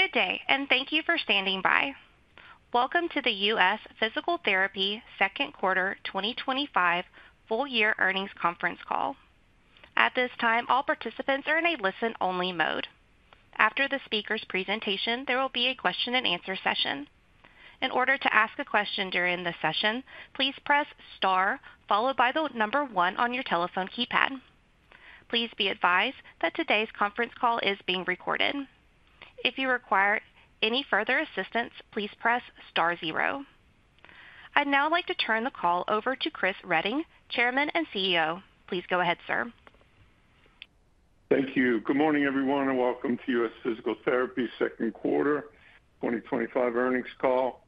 Good day, and thank you for standing by. Welcome to the U.S. Physical Therapy Second Quarter 2025 Full-Year Earnings Conference Call. At this time, all participants are in a listen-only mode. After the speaker's presentation, there will be a question-and-answer session. In order to ask a question during the session, please press star followed by the number one on your telephone keypad. Please be advised that today's conference call is being recorded. If you require any further assistance, please press star zero. I'd now like to turn the call over to Chris Reading, Chairman and CEO. Please go ahead, sir. Thank you. Good morning, everyone, and welcome to U.S. Physical Therapy second quarter 2025 earnings call.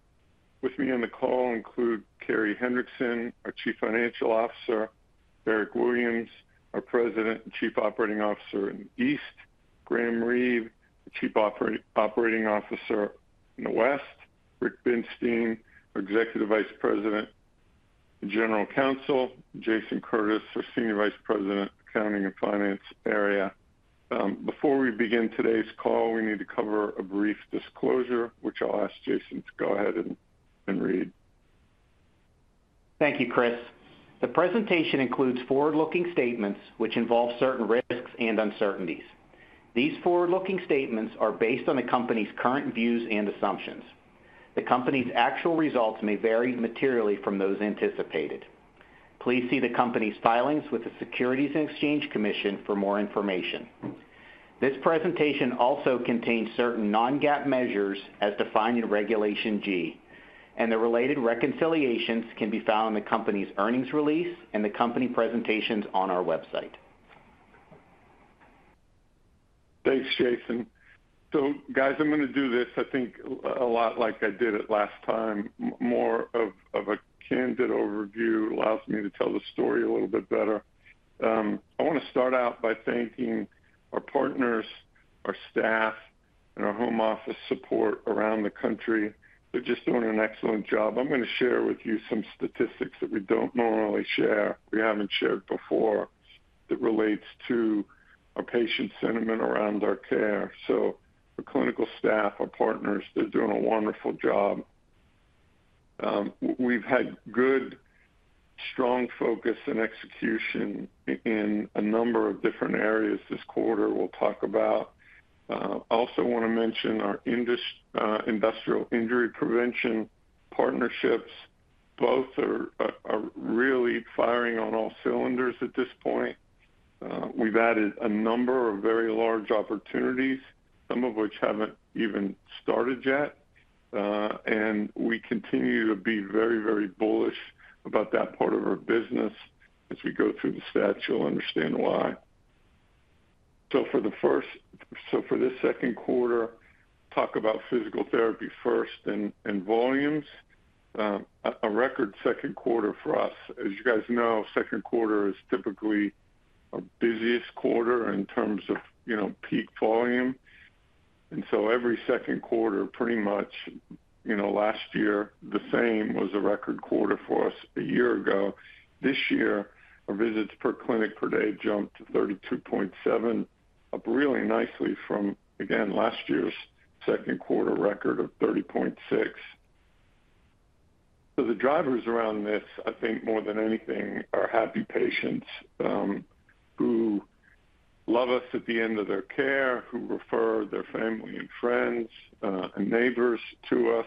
With me on the call include Carey Hendrickson, our Chief Financial Officer, Eric Williams, our President and Chief Operating Officer in the East, Graham Reeve, the Chief Operating Officer in the West, Rick Binstein, our Executive Vice President, the General Counsel, and Jason Curtis, our Senior Vice President, Accounting and Finance area. Before we begin today's call, we need to cover a brief disclosure, which I'll ask Jason to go ahead and read. Thank you, Chris. The presentation includes forward-looking statements, which involve certain risks and uncertainties. These forward-looking statements are based on the company's current views and assumptions. The company's actual results may vary materially from those anticipated. Please see the company's filings with the U.S. Securities and Exchange Commission for more information. This presentation also contains certain non-GAAP measures as defined in Regulation G, and the related reconciliations can be found in the company's earnings release and the company presentations on our website. Thanks, Jason. Guys, I'm going to do this. I think a lot like I did it last time, more of a candid overview allows me to tell the story a little bit better. I want to start out by thanking our partners, our staff, and our home office support around the country. They're just doing an excellent job. I'm going to share with you some statistics that we don't normally share, we haven't shared before, that relate to our patient sentiment around our care. Our clinical staff, our partners, they're doing a wonderful job. We've had good, strong focus and execution in a number of different areas this quarter we'll talk about. I also want to mention our industrial injury prevention partnerships. Both are really firing on all cylinders at this point. We've added a number of very large opportunities, some of which haven't even started yet. We continue to be very, very bullish about that part of our business. As you go through the stats, you'll understand why. For this second quarter, talk about physical therapy first and volumes. A record second quarter for us. As you guys know, second quarter is typically our busiest quarter in terms of, you know, peak volume. Every second quarter, pretty much, last year, the same was a record quarter for us a year ago. This year, our visits per clinic per day jumped to 32.7, up really nicely from, again, last year's second quarter record of 30.6. The drivers around this, I think more than anything, are happy patients who love us at the end of their care, who refer their family and friends and neighbors to us.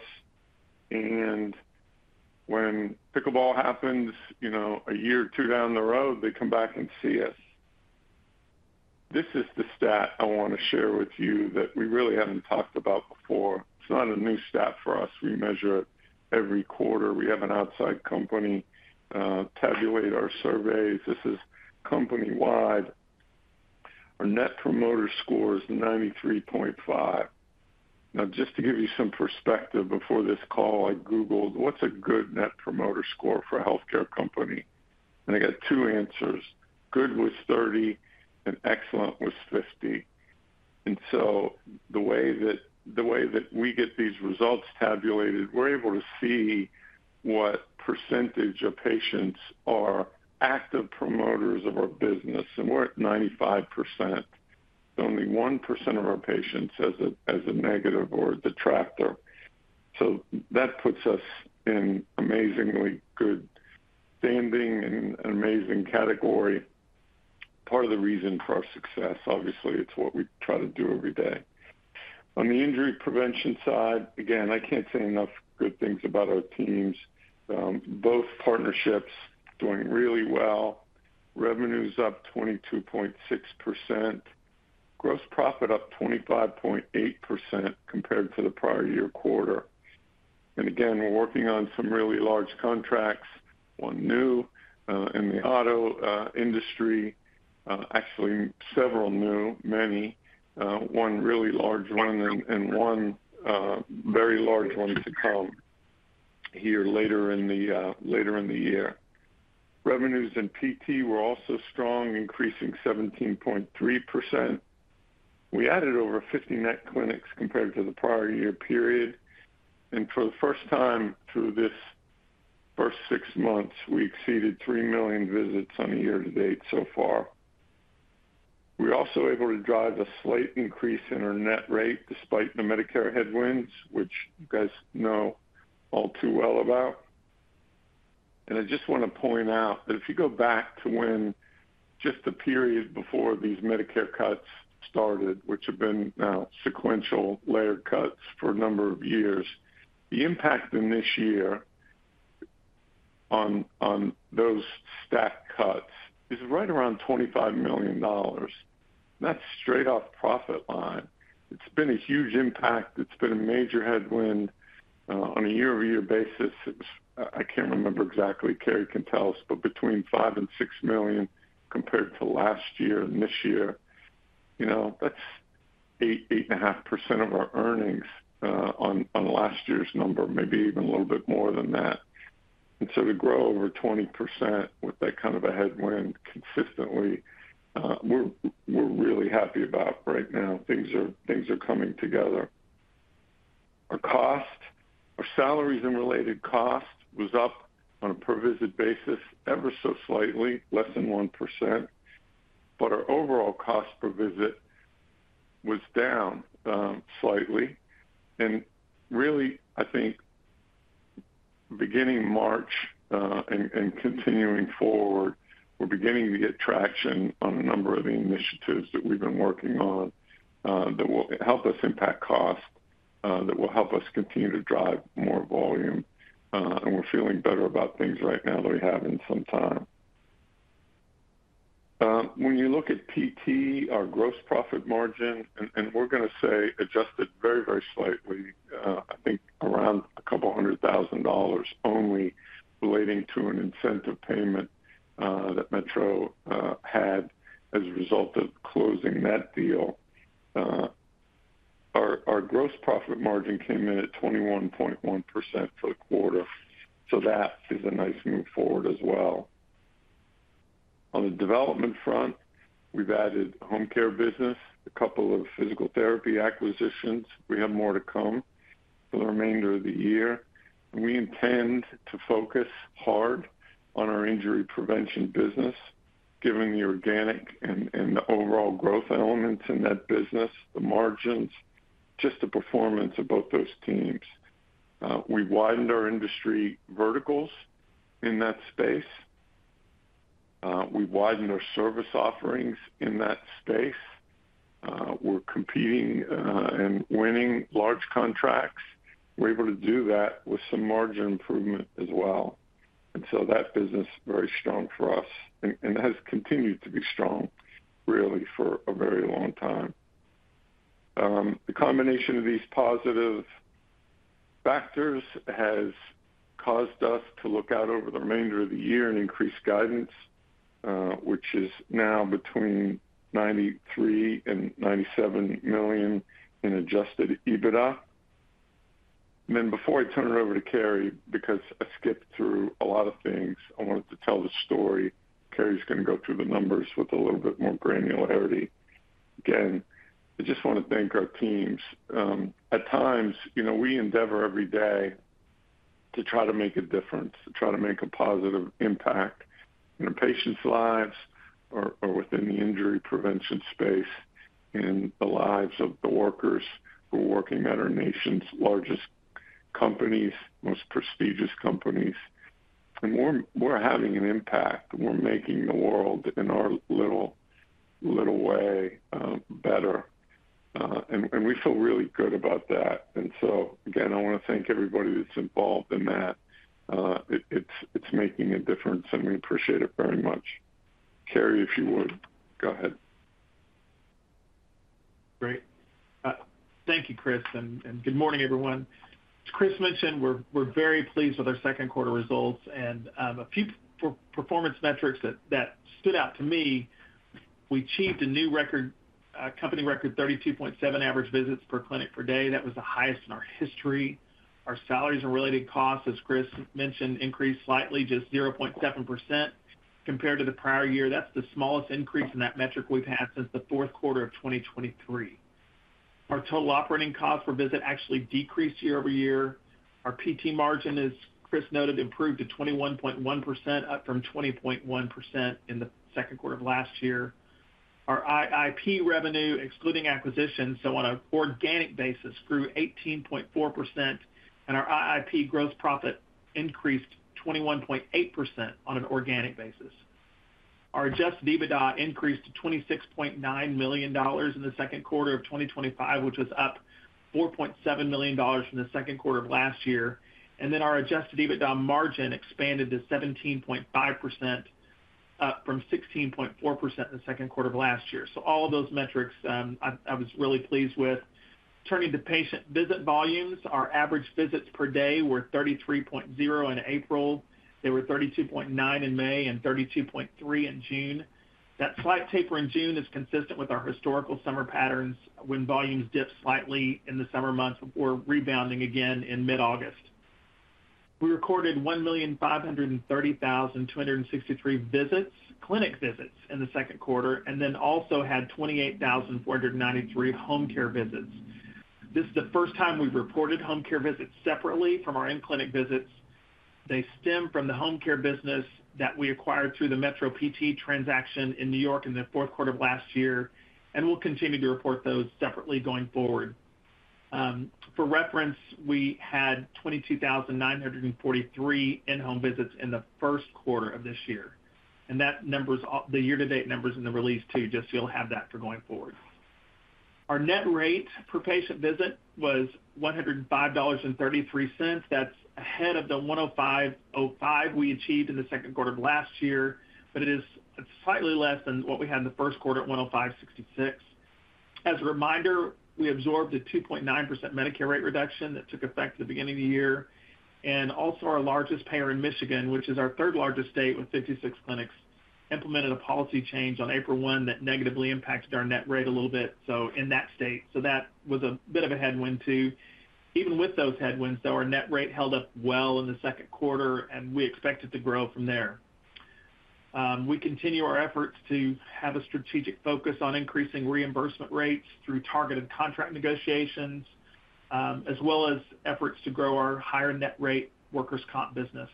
When pickleball happens, you know, a year or two down the road, they come back and see us. This is the stat I want to share with you that we really haven't talked about before. It's not a new stat for us. We measure it every quarter. We have an outside company tabulate our surveys. This is company-wide. Our net promoter score is 93.5. Just to give you some perspective, before this call, I Googled what's a good net promoter score for a healthcare company. I got two answers. Good was 30, and excellent was 50. The way that we get these results tabulated, we're able to see what percentage of patients are active promoters of our business, and we're at 95%. It's only 1% of our patients as a negative or a detractor. That puts us in amazingly good standing and an amazing category. Part of the reason for our success, obviously, it's what we try to do every day. On the industrial injury prevention side, I can't say enough good things about our teams. Both partnerships are doing really well. Revenue is up 22.6%. Gross profit up 25.8% compared to the prior year quarter. We're working on some really large contracts, one new in the auto industry, actually several new, many, one really large one, and one very large one to come here later in the year. Revenues in PT were also strong, increasing 17.3%. We added over 50 net clinics compared to the prior year period. For the first time through this first six months, we exceeded 3 million visits on a year to date so far. We're also able to drive a slight increase in our net rate despite the Medicare headwinds, which you guys know all too well about. I just want to point out that if you go back to when just the period before these Medicare cuts started, which have been now sequential layered cuts for a number of years, the impact in this year on those staff cuts is right around $25 million. That's straight off profit line. It's been a huge impact. It's been a major headwind on a year-over-year basis. I can't remember exactly. Carey can tell us, but between $5 million and $6 million compared to last year and this year, that's 8%-8.5% of our earnings on last year's number, maybe even a little bit more than that. To grow over 20% with that kind of a headwind consistently, we're really happy about right now. Things are coming together. Our cost, our salaries and related cost was up on a per-visit basis ever so slightly, less than 1%. Our overall cost per visit was down slightly. Beginning March and continuing forward, we're beginning to get traction on a number of the initiatives that we've been working on that will help us impact cost, that will help us continue to drive more volume. We're feeling better about things right now than we have in some time. When you look at PT, our gross profit margin, and we're going to say adjusted very, very slightly, I think around a couple hundred thousand dollars only relating to an incentive payment that Metro Physical Therapy had as a result of closing that deal. Our gross profit margin came in at 21.1% for the quarter. That is a nice move forward as well. On the development front, we've added a home care business, a couple of physical therapy acquisitions. We have more to come for the remainder of the year. We intend to focus hard on our injury prevention business, given the organic and the overall growth elements in that business, the margins, just the performance of both those teams. We have widened our industry verticals in that space. We have widened our service offerings in that space. We are competing and winning large contracts. We are able to do that with some margin improvement as well. That business is very strong for us and has continued to be strong, really, for a very long time. The combination of these positive factors has caused us to look out over the remainder of the year and increase guidance, which is now between $93 million and $97 million in adjusted EBITDA. Before I turn it over to Carey, because I skipped through a lot of things, I wanted to tell the story. Carey is going to go through the numbers with a little bit more granularity. Again, I just want to thank our teams. At times, you know, we endeavor every day to try to make a difference, to try to make a positive impact in patients' lives or within the injury prevention space and the lives of the workers who are working at our nation's largest companies, most prestigious companies. We are having an impact. We are making the world in our little, little way better. We feel really good about that. Again, I want to thank everybody that's involved in that. It's making a difference, and we appreciate it very much. Carey, if you would, go ahead. Great. Thank you, Chris, and good morning, everyone. As Chris mentioned, we're very pleased with our second quarter results. A few performance metrics that stood out to me: we achieved a new record, a company record, 32.7 average visits per clinic per day. That was the highest in our history. Our salaries and related costs, as Chris mentioned, increased slightly, just 0.7% compared to the prior year. That's the smallest increase in that metric we've had since the fourth quarter of 2023. Our total operating cost per visit actually decreased year-over-year. Our PT margin, as Chris noted, improved to 21.1%, up from 20.1% in the second quarter of last year. Our IIP revenue, excluding acquisitions, so on an organic basis, grew 18.4%, and our IIP gross profit increased 21.8% on an organic basis. Our adjusted EBITDA increased to $26.9 million in the second quarter of 2025, which was up $4.7 million from the second quarter of last year. Our adjusted EBITDA margin expanded to 17.5%, up from 16.4% in the second quarter of last year. All of those metrics I was really pleased with. Turning to patient visit volumes, our average visits per day were 33.0 in April. They were 32.9 in May and 32.3 in June. That slight taper in June is consistent with our historical summer patterns. When volumes dip slightly in the summer months, we're rebounding again in mid-August. We recorded 1,530,263 clinic visits in the second quarter and also had 28,493 home care visits. This is the first time we've reported home care visits separately from our in-clinic visits. They stem from the home care business that we acquired through the Metro PT transaction in New York in the fourth quarter of last year, and we'll continue to report those separately going forward. For reference, we had 22,943 in-home visits in the first quarter of this year. That number is the year-to-date numbers in the release too, just so you'll have that for going forward. Our net rate per patient visit was $105.33. That's ahead of the $105.05 we achieved in the second quarter of last year, but it is slightly less than what we had in the first quarter at $105.66. As a reminder, we absorbed a 2.9% Medicare rate reduction that took effect at the beginning of the year. Also, our largest payer in Michigan, which is our third largest state with 56 clinics, implemented a policy change on April 1 that negatively impacted our net rate a little bit in that state. That was a bit of a headwind too. Even with those headwinds, though, our net rate held up well in the second quarter, and we expect it to grow from there. We continue our efforts to have a strategic focus on increasing reimbursement rates through targeted contract negotiations, as well as efforts to grow our higher net rate workers' comp business.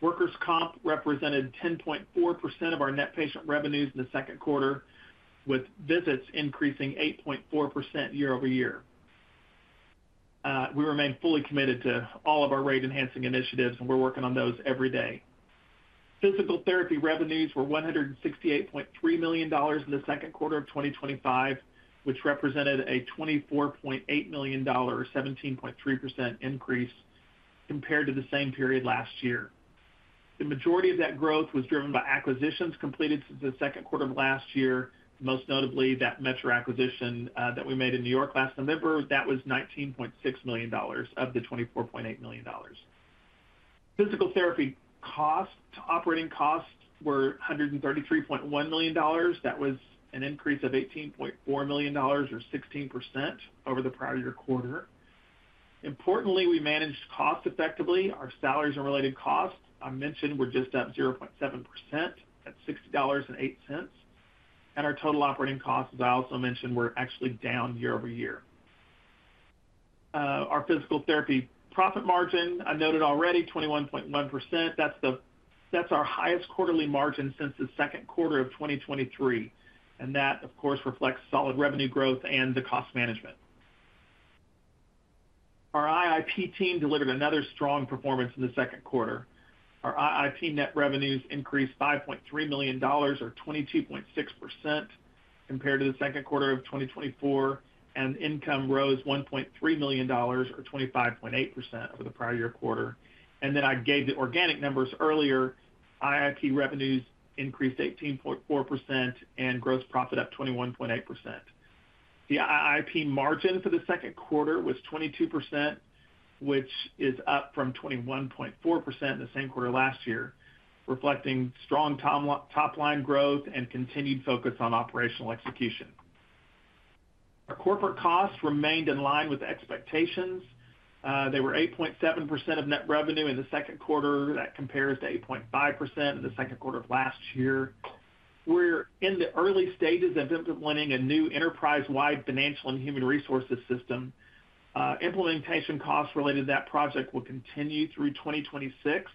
Workers' comp represented 10.4% of our net patient revenues in the second quarter, with visits increasing 8.4% year-over-year. We remain fully committed to all of our rate-enhancing initiatives, and we're working on those every day. Physical therapy revenues were $168.3 million in the second quarter of 2025, which represented a $24.8 million or 17.3% increase compared to the same period last year. The majority of that growth was driven by acquisitions completed since the second quarter of last year, most notably that Metro acquisition that we made in New York last November. That was $19.6 million of the $24.8 million. Physical therapy costs, operating costs, were $133.1 million. That was an increase of $18.4 million or 16% over the prior year quarter. Importantly, we managed cost effectively. Our salaries and related costs, I mentioned, were just up 0.7% at $60.08. Our total operating costs, as I also mentioned, were actually down year-over-year. Our physical therapy profit margin, I noted already, 21.1%. That's our highest quarterly margin since the second quarter of 2023. That, of course, reflects solid revenue growth and the cost management. Our IIP team delivered another strong performance in the second quarter. Our IIP net revenues increased $5.3 million or 22.6% compared to the second quarter of 2024, and income rose $1.3 million or 25.8% over the prior year quarter. I gave the organic numbers earlier. IIP revenues increased 18.4% and gross profit up 21.8%. The IIP margin for the second quarter was 22%, which is up from 21.4% in the same quarter last year, reflecting strong top-line growth and continued focus on operational execution. Our corporate costs remained in line with expectations. They were 8.7% of net revenue in the second quarter. That compares to 8.5% in the second quarter of last year. We're in the early stages of implementing a new enterprise-wide financial and human resources system. Implementation costs related to that project will continue through 2026.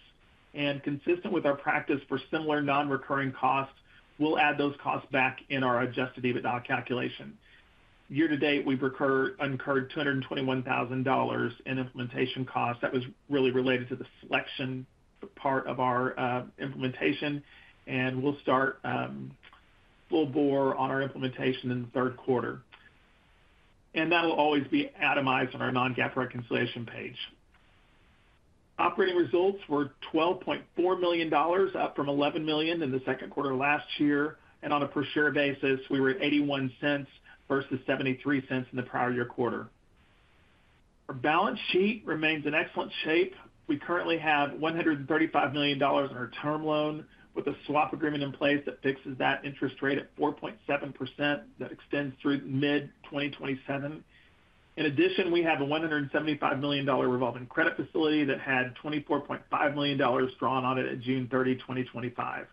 Consistent with our practice for similar non-recurring costs, we'll add those costs back in our adjusted EBITDA calculation. Year to date, we've incurred $221,000 in implementation costs. That was really related to the selection part of our implementation. We'll start full bore on our implementation in the third quarter. That will always be itemized on our non-GAAP reconciliation page. Operating results were $12.4 million, up from $11 million in the second quarter of last year. On a per-share basis, we were at $0.81 versus $0.73 in the prior year quarter. Our balance sheet remains in excellent shape. We currently have $135 million in our term loan with a swap agreement in place that fixes that interest rate at 4.7% that extends through mid-2027. In addition, we have a $175 million revolving credit facility that had $24.5 million drawn on it at June 30, 2025.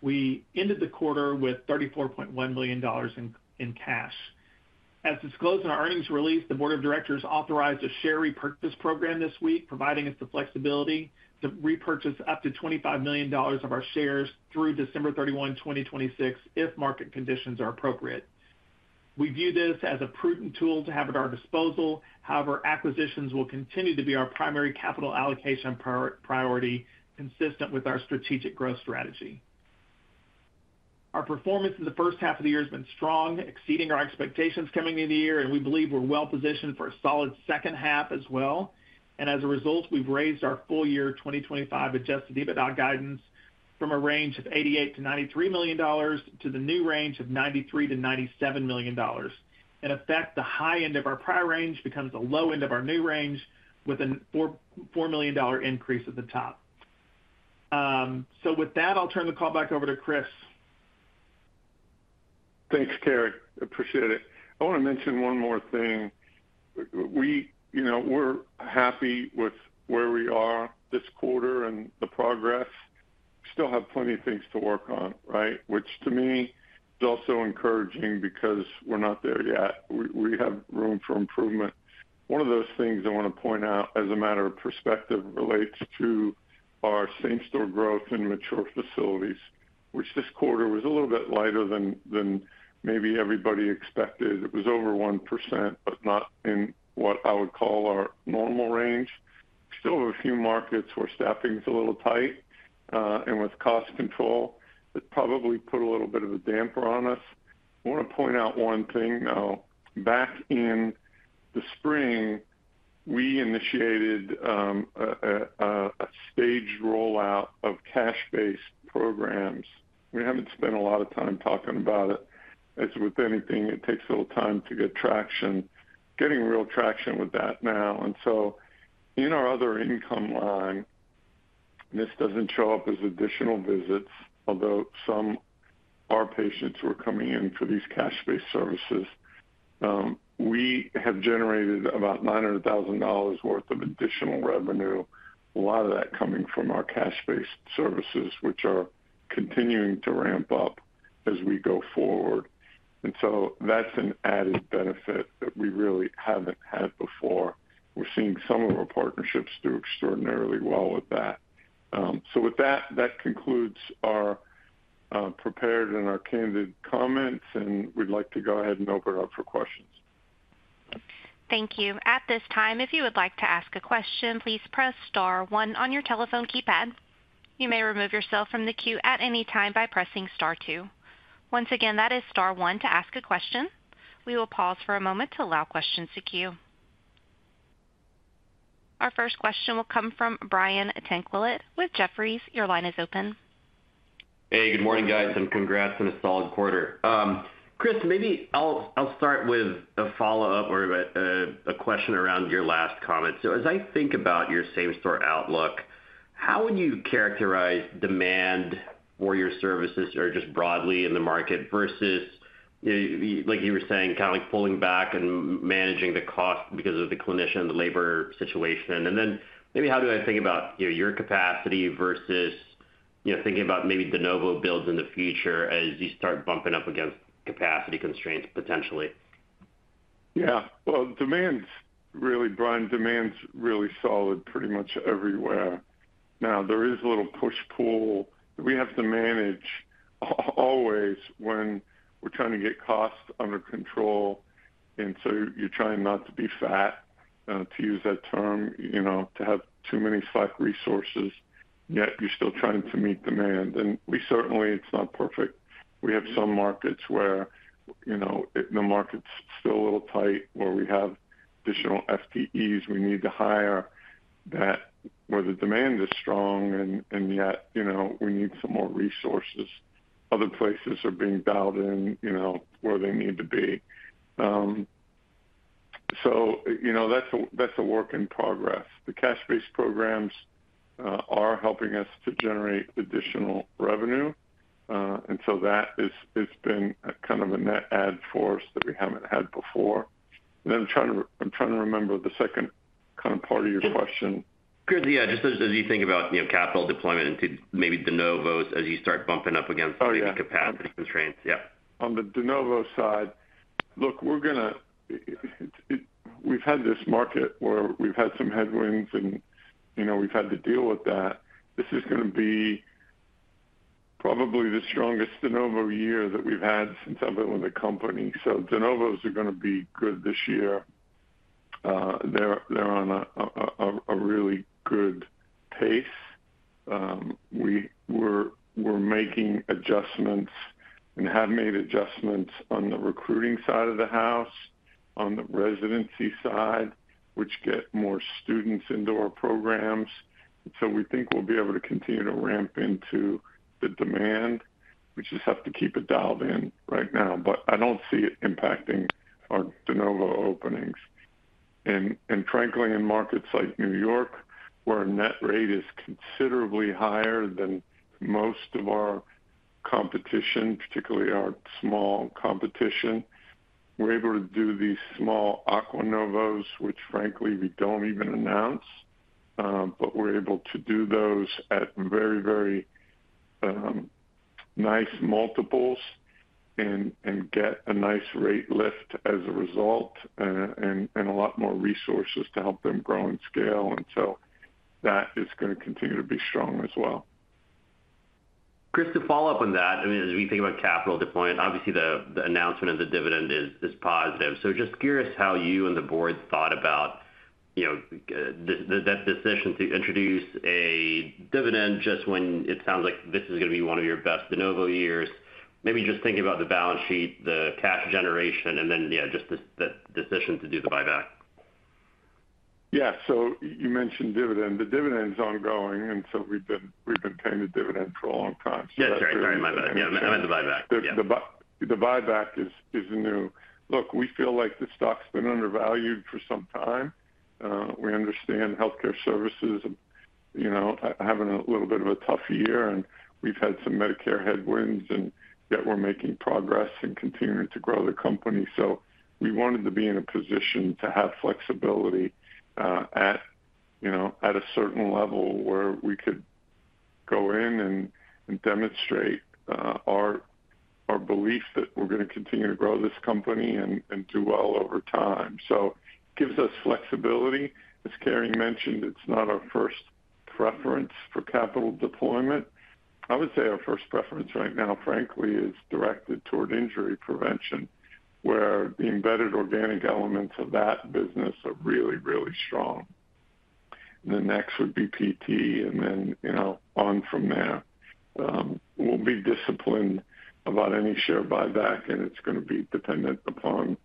We ended the quarter with $34.1 million in cash. As disclosed in our earnings release, the Board of Directors authorized a share repurchase program this week, providing us the flexibility to repurchase up to $25 million of our shares through December 31, 2026, if market conditions are appropriate. We view this as a prudent tool to have at our disposal. However, acquisitions will continue to be our primary capital allocation priority, consistent with our strategic growth strategy. Our performance in the first half of the year has been strong, exceeding our expectations coming into the year, and we believe we're well positioned for a solid second half as well. As a result, we've raised our full-year 2025 adjusted EBITDA guidance from a range of $88 million-$93 million to the new range of $93 million-$97 million. In effect, the high end of our prior range becomes the low end of our new range with a $4 million increase at the top. With that, I'll turn the call back over to Chris. Thanks, Carey. Appreciate it. I want to mention one more thing. We, you know, we're happy with where we are this quarter and the progress. We still have plenty of things to work on, right? Which to me is also encouraging because we're not there yet. We have room for improvement. One of those things I want to point out as a matter of perspective relates to our same-store growth in mature facilities, which this quarter was a little bit lighter than maybe everybody expected. It was over 1%, but not in what I would call our normal range. Still have a few markets where staffing is a little tight, and with cost control, it probably put a little bit of a damper on us. I want to point out one thing though. Back in the spring, we initiated a staged rollout of cash-based programs. We haven't spent a lot of time talking about it. As with anything, it takes a little time to get traction, getting real traction with that now. In our other income line, this doesn't show up as additional visits, although some of our patients were coming in for these cash-based services. We have generated about $900,000 worth of additional revenue, a lot of that coming from our cash-based services, which are continuing to ramp up as we go forward. That's an added benefit that we really haven't had before. We're seeing some of our partnerships do extraordinarily well with that. That concludes our prepared and our candid comments, and we'd like to go ahead and open it up for questions. Thank you. At this time, if you would like to ask a question, please press star one on your telephone keypad. You may remove yourself from the queue at any time by pressing star two. Once again, that is star one to ask a question. We will pause for a moment to allow questions to queue. Our first question will come from Brian Tanquilut with Jefferies. Your line is open. Hey, good morning, guys, and congrats on a solid quarter. Chris, maybe I'll start with a follow-up or a question around your last comment. As I think about your same-store outlook, how would you characterize demand for your services or just broadly in the market versus, like you were saying, kind of like pulling back and managing the cost because of the clinician and the labor situation? How do I think about your capacity versus thinking about maybe de novo builds in the future as you start bumping up against capacity constraints potentially? Yeah, demand's really, Brian, demand's really solid pretty much everywhere. There is a little push-pull that we have to manage always when we're trying to get costs under control. You're trying not to be fat, to use that term, you know, to have too many slack resources, yet you're still trying to meet demand. It's not perfect. We have some markets where, you know, the market's still a little tight, where we have additional FTEs we need to hire where the demand is strong and yet, you know, we need some more resources. Other places are being dialed in, you know, where they need to be. That's a work in progress. The cash-based programs are helping us to generate additional revenue, and that has been kind of a net add force that we haven't had before. I'm trying to remember the second kind of part of your question. As you think about capital deployment and maybe de novos as you start bumping up against the capacity constraints. On the de novo side, look, we're going to, we've had this market where we've had some headwinds and we've had to deal with that. This is going to be probably the strongest de novo year that we've had since I've been with the company. De novos are going to be good this year. They're on a really good pace. We're making adjustments and have made adjustments on the recruiting side of the house, on the residency side, which get more students into our programs. We think we'll be able to continue to ramp into the demand. We just have to keep it dialed in right now, but I don't see it impacting our de novo openings. Frankly, in markets like New York, where our net rate is considerably higher than most of our competition, particularly our small competition, we're able to do these small aqua novos, which frankly we don't even announce, but we're able to do those at very, very nice multiples and get a nice rate lift as a result and a lot more resources to help them grow in scale. That is going to continue to be strong as well. Chris, to follow up on that, as we think about capital deployment, obviously the announcement of the dividend is positive. Just curious how you and the board thought about that decision to introduce a dividend just when it sounds like this is going to be one of your best de novo years, maybe just thinking about the balance sheet, the cash generation, and then the decision to do the buyback. Yeah, you mentioned dividend. The dividend is ongoing, and we've been paying the dividend for a long time. That's right. Sorry, I meant the buyback. The buyback is new. Look, we feel like the stock's been undervalued for some time. We understand healthcare services, you know, having a little bit of a tough year, and we've had some Medicare headwinds, yet we're making progress and continuing to grow the company. We wanted to be in a position to have flexibility, at a certain level where we could go in and demonstrate our belief that we're going to continue to grow this company and do well over time. It gives us flexibility. As Carey mentioned, it's not our first preference for capital deployment. I would say our first preference right now, frankly, is directed toward injury prevention, where the embedded organic elements of that business are really, really strong. Next would be PT, and then, you know, on from there. We'll be disciplined about any share buyback, and it's going to be dependent upon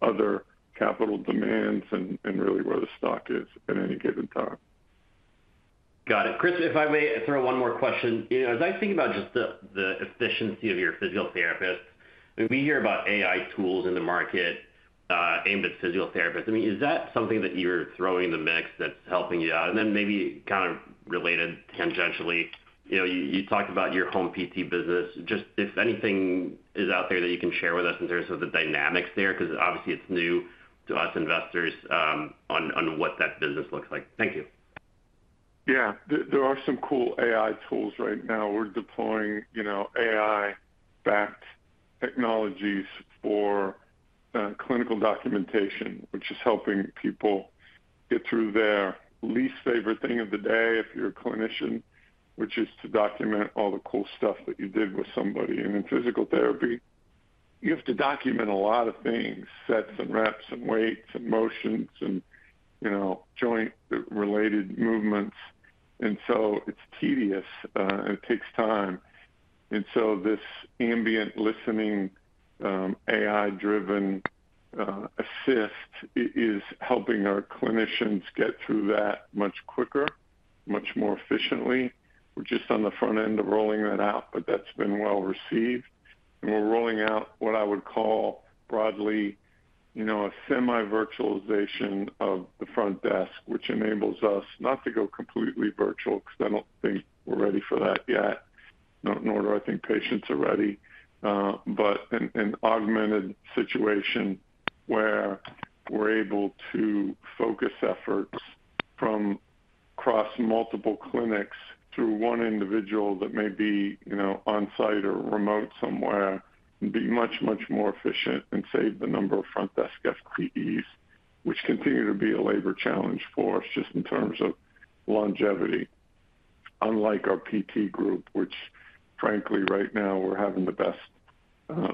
other capital demands and really where the stock is at any given time. Got it. Chris, if I may throw one more question, as I think about just the efficiency of your physical therapists, we hear about AI tools in the market, aimed at physical therapists. Is that something that you're throwing in the mix that's helping you out? Maybe kind of related tangentially, you talked about your home PT business. If anything is out there that you can share with us in terms of the dynamics there, because obviously it's new to us investors, on what that business looks like. Thank you. Yeah, there are some cool AI tools right now. We're deploying, you know, AI-backed technologies for clinical documentation, which is helping people get through their least favorite thing of the day if you're a clinician, which is to document all the cool stuff that you did with somebody. In physical therapy, you have to document a lot of things, sets and reps and weights and motions and, you know, joint-related movements. It is tedious, and it takes time. This ambient listening, AI-driven assist is helping our clinicians get through that much quicker, much more efficiently. We're just on the front end of rolling that out, but that's been well received. We're rolling out what I would call broadly, you know, a semi-virtualization of the front desk, which enables us not to go completely virtual, because I don't think we're ready for that yet. In order, I think patients are ready, but an augmented situation where we're able to focus efforts from across multiple clinics through one individual that may be, you know, on-site or remote somewhere and be much, much more efficient and save the number of front desk FTEs, which continue to be a labor challenge for us just in terms of longevity. Unlike our PT group, which frankly right now we're having the best,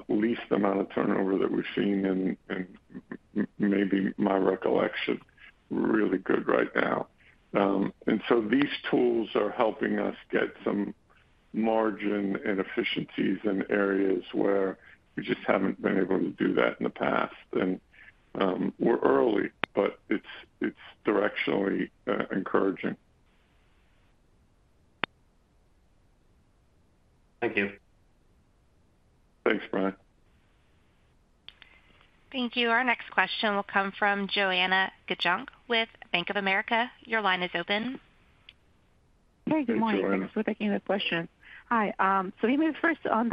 least amount of turnover that we've seen in maybe my recollection, really good right now. These tools are helping us get some margin and efficiencies in areas where we just haven't been able to do that in the past. We're early, but it's directionally encouraging. Thank you. Thanks, Brian. Thank you. Our next question will come from Joanna Gajuk with Bank of America. Your line is open. Hey, good morning. Thank you for taking the question. Hi. Maybe first on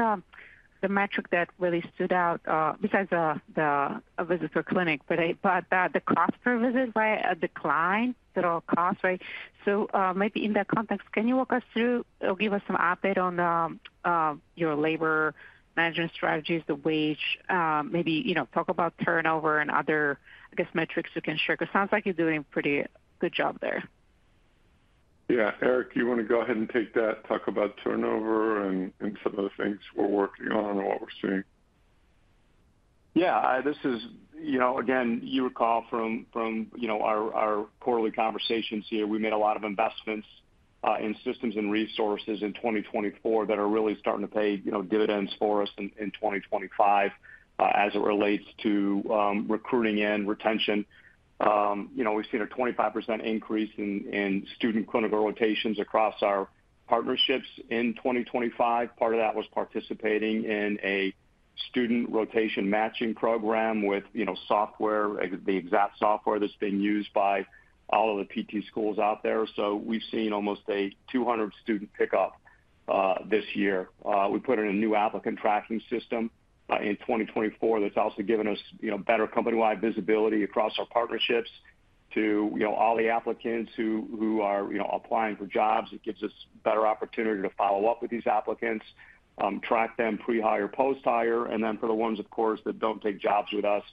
the metric that really stood out, besides the visits per clinic, the cost per visit by a decline, total cost, right? In that context, can you walk us through or give us some update on your labor management strategies, the wage, maybe talk about turnover and other metrics you can share? It sounds like you're doing a pretty good job there. Yeah, Eric, you want to go ahead and take that, talk about turnover and some of the things we're working on and what we're seeing? Yeah, this is, you know, again, you recall from our quarterly conversations here, we made a lot of investments in systems and resources in 2024 that are really starting to pay dividends for us in 2025 as it relates to recruiting and retention. We've seen a 25% increase in student clinical rotations across our partnerships in 2025. Part of that was participating in a student rotation matching program with software, the exact software that's being used by all of the PT schools out there. We've seen almost a 200-student pickup this year. We put in a new applicant tracking system in 2024 that's also given us better company-wide visibility across our partnerships to all the applicants who are applying for jobs. It gives us better opportunity to follow up with these applicants, track them pre-hire or post-hire. For the ones, of course, that don't take jobs with us,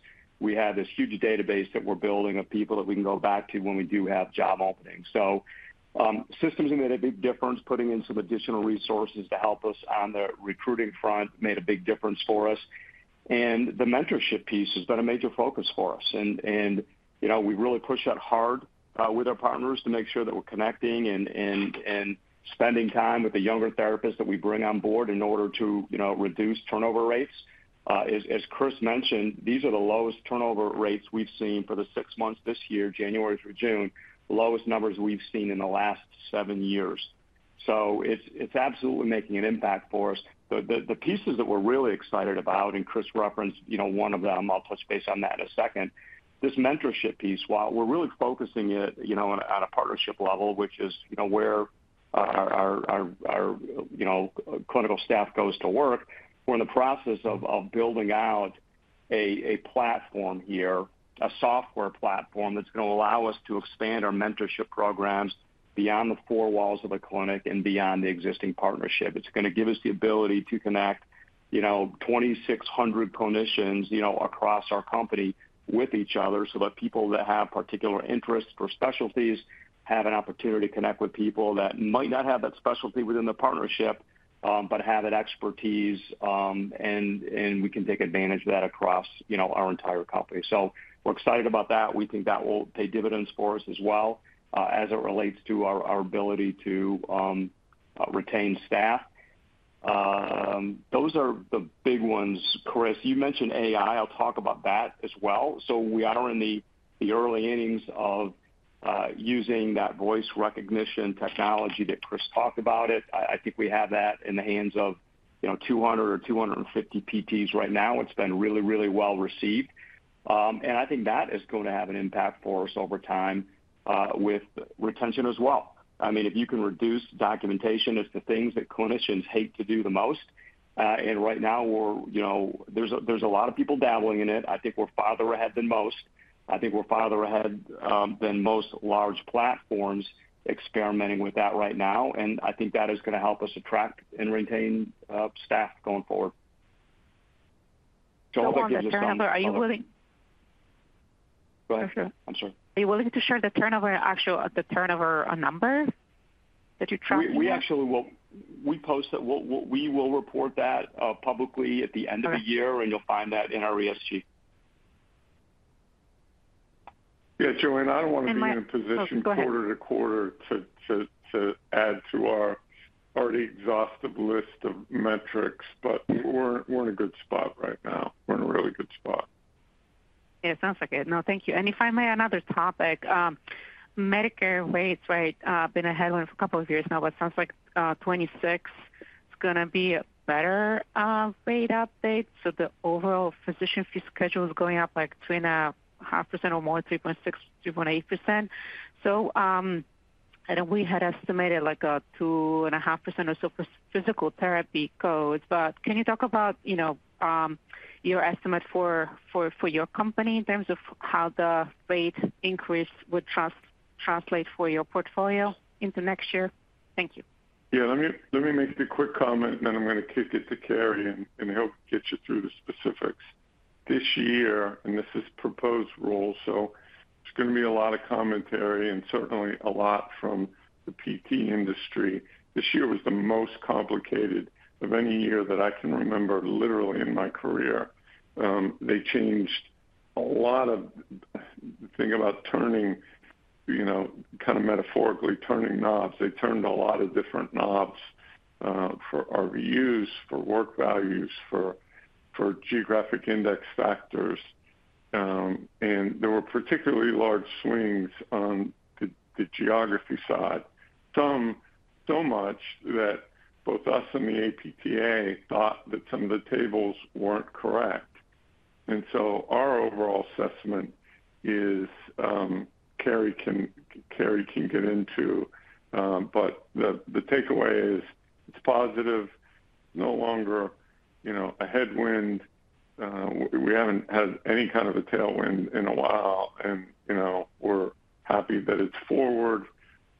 we have this huge database that we're building of people that we can go back to when we do have job openings. Systems made a big difference, putting in some additional resources to help us on the recruiting front made a big difference for us. The mentorship piece has been a major focus for us. We really push that hard with our partners to make sure that we're connecting and spending time with the younger therapists that we bring on board in order to reduce turnover rates. As Chris mentioned, these are the lowest turnover rates we've seen for the six months this year, January through June, the lowest numbers we've seen in the last seven years. It's absolutely making an impact for us. The pieces that we're really excited about, and Chris referenced one of them, I'll touch base on that in a second, this mentorship piece, while we're really focusing it on a partnership level, which is where our clinical staff goes to work, we're in the process of building out a platform here, a software platform that's going to allow us to expand our mentorship programs beyond the four walls of the clinic and beyond the existing partnership. It's going to give us the ability to connect 2,600 clinicians across our company with each other so that people that have particular interests or specialties have an opportunity to connect with people that might not have that specialty within the partnership but have that expertise, and we can take advantage of that across our entire company. We're excited about that. We think that will pay dividends for us as well as it relates to our ability to retain staff. Those are the big ones, Chris. You mentioned AI. I'll talk about that as well. We are in the early innings of using that voice recognition technology that Chris talked about. I think we have that in the hands of 200 or 250 PTs right now. It's been really, really well received, and I think that is going to have an impact for us over time with retention as well. I mean, if you can reduce documentation, it's the things that clinicians hate to do the most. Right now, there's a lot of people dabbling in it. I think we're farther ahead than most. I think we're farther ahead than most large platforms experimenting with that right now. I think that is going to help us attract and retain staff going forward. you willing to discuss the turnover? Go ahead. I'm sorry. Are you willing to share the actual turnover number that you track? We will report that publicly at the end of the year, and you'll find that in our ESG. Yeah, Joanna, I don't want to be in a position quarter to quarter to add to our already exhausted list of metrics, but we're in a good spot right now. We're in a really good spot. Yeah, it sounds like it. No, thank you. If I may, another topic, Medicare rates, right, been a headwind for a couple of years now, but it sounds like 2026 is going to be a better rate update. The overall physician fee schedule is going up like 2.5% or more, 3.6%, 3.8%. I know we had estimated like a 2.5% or so for physical therapy codes, but can you talk about your estimate for your company in terms of how the rate increase would translate for your portfolio into next year? Thank you. Yeah, let me make the quick comment, and then I'm going to kick it to Carey and help get you through the specifics. This year, and this is proposed rule, so it's going to be a lot of commentary and certainly a lot from the PT industry. This year was the most complicated of any year that I can remember literally in my career. They changed a lot of the thing about turning, you know, kind of metaphorically turning knobs. They turned a lot of different knobs, for RVUs, for work values, for geographic index factors. There were particularly large swings on the geography side. Some so much that both us and the APTA thought that some of the tables weren't correct. Our overall assessment is, Carey can get into, but the takeaway is it's positive, no longer, you know, a headwind. We haven't had any kind of a tailwind in a while, and you know, we're happy that it's forward,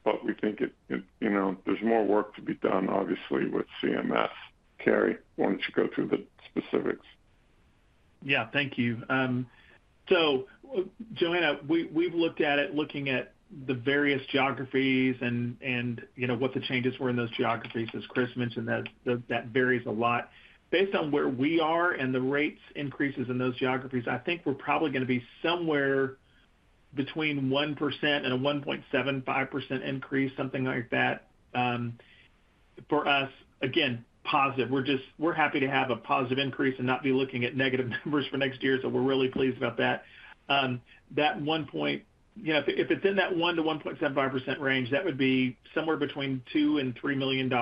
but we think it, you know, there's more work to be done, obviously, with CMS. Carey, why don't you go through the specifics? Yeah, thank you. Joanna, we've looked at it, looking at the various geographies and what the changes were in those geographies. As Chris mentioned, that varies a lot based on where we are and the rate increases in those geographies. I think we're probably going to be somewhere between 1% and a 1.75% increase, something like that. For us, again, positive. We're just happy to have a positive increase and not be looking at negative numbers for next year, so we're really pleased about that. That one point, you know, if it's in that 1%-1.75% range, that would be somewhere between $2 million and $3 million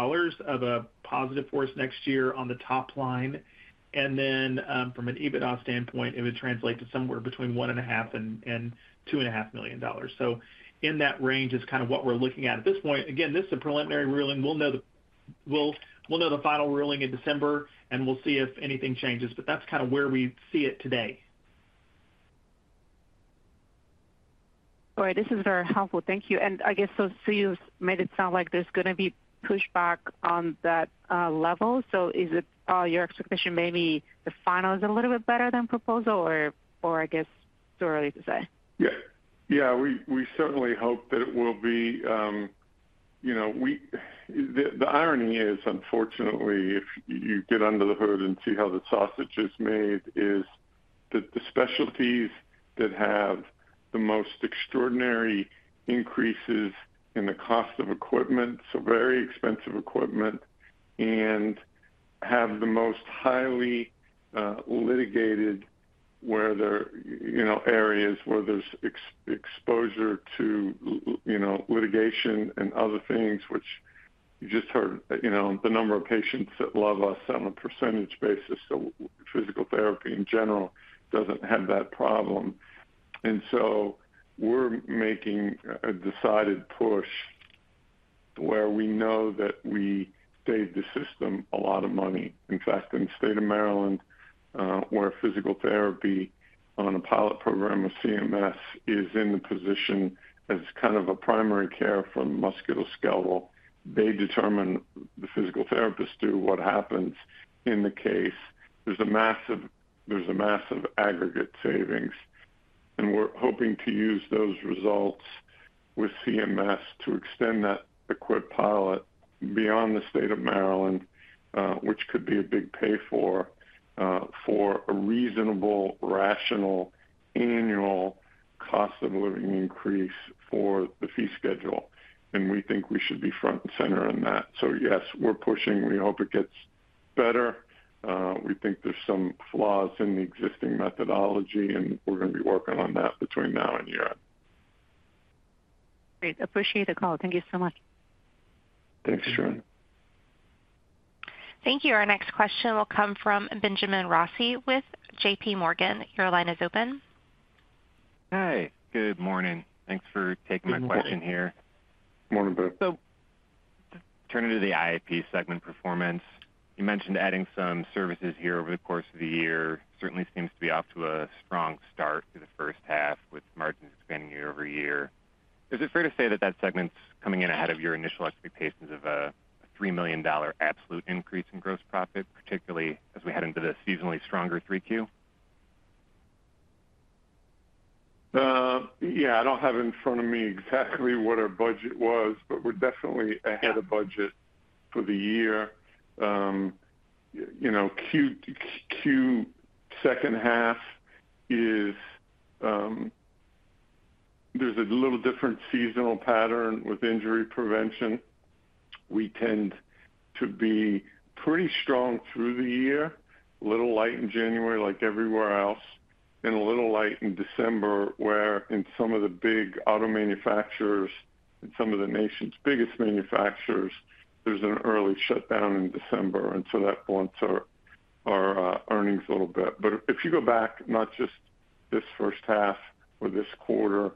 of a positive for us next year on the top line. From an EBITDA standpoint, it would translate to somewhere between $1.5 million and $2.5 million. In that range is kind of what we're looking at at this point. Again, this is a preliminary ruling. We'll know the final ruling in December, and we'll see if anything changes, but that's kind of where we see it today. All right, this is very helpful. Thank you. I guess you've made it sound like there's going to be pushback on that level. Is it your expectation maybe the final is a little bit better than proposal, or I guess too early to say? Yeah, we certainly hope that it will be. The irony is, unfortunately, if you get under the hood and see how the sausage is made, the specialties that have the most extraordinary increases in the cost of equipment, so very expensive equipment, and have the most highly litigated areas where there's exposure to litigation and other things, which you just heard, the number of patients that love us on a percentage basis. Physical therapy in general doesn't have that problem. We're making a decided push where we know that we saved the system a lot of money. In fact, in the state of Maryland, where physical therapy on a pilot program of CMS is in the position as kind of a primary care for musculoskeletal, they determine the physical therapists do what happens in the case. There's a massive aggregate savings. We're hoping to use those results with CMS to extend that EQUIP pilot beyond the state of Maryland, which could be a big pay for a reasonable, rational annual cost of living increase for the fee schedule. We think we should be front and center in that. Yes, we're pushing. We hope it gets better. We think there's some flaws in the existing methodology, and we're going to be working on that between now and year. Great. Appreciate the call. Thank you so much. Thanks, Joanna. Thank you. Our next question will come from Benjamin Rossi with JPMorgan. Your line is open. Hi. Good morning. Thanks for taking my question here. Morning, Ben. Turning to the IIP segment performance, you mentioned adding some services here over the course of the year. It certainly seems to be off to a strong start through the first half, with margins expanding year-over-year. Is it fair to say that that segment's coming in ahead of your initial expectations of a $3 million absolute increase in gross profit, particularly as we head into the seasonally stronger Q3? Yeah, I don't have in front of me exactly what our budget was, but we're definitely ahead of budget for the year. Q2 second half is, there's a little different seasonal pattern with injury prevention. We tend to be pretty strong through the year, a little light in January like everywhere else, and a little light in December where in some of the big auto manufacturers and some of the nation's biggest manufacturers, there's an early shutdown in December. That blunts our earnings a little bit. If you go back, not just this first half or this quarter,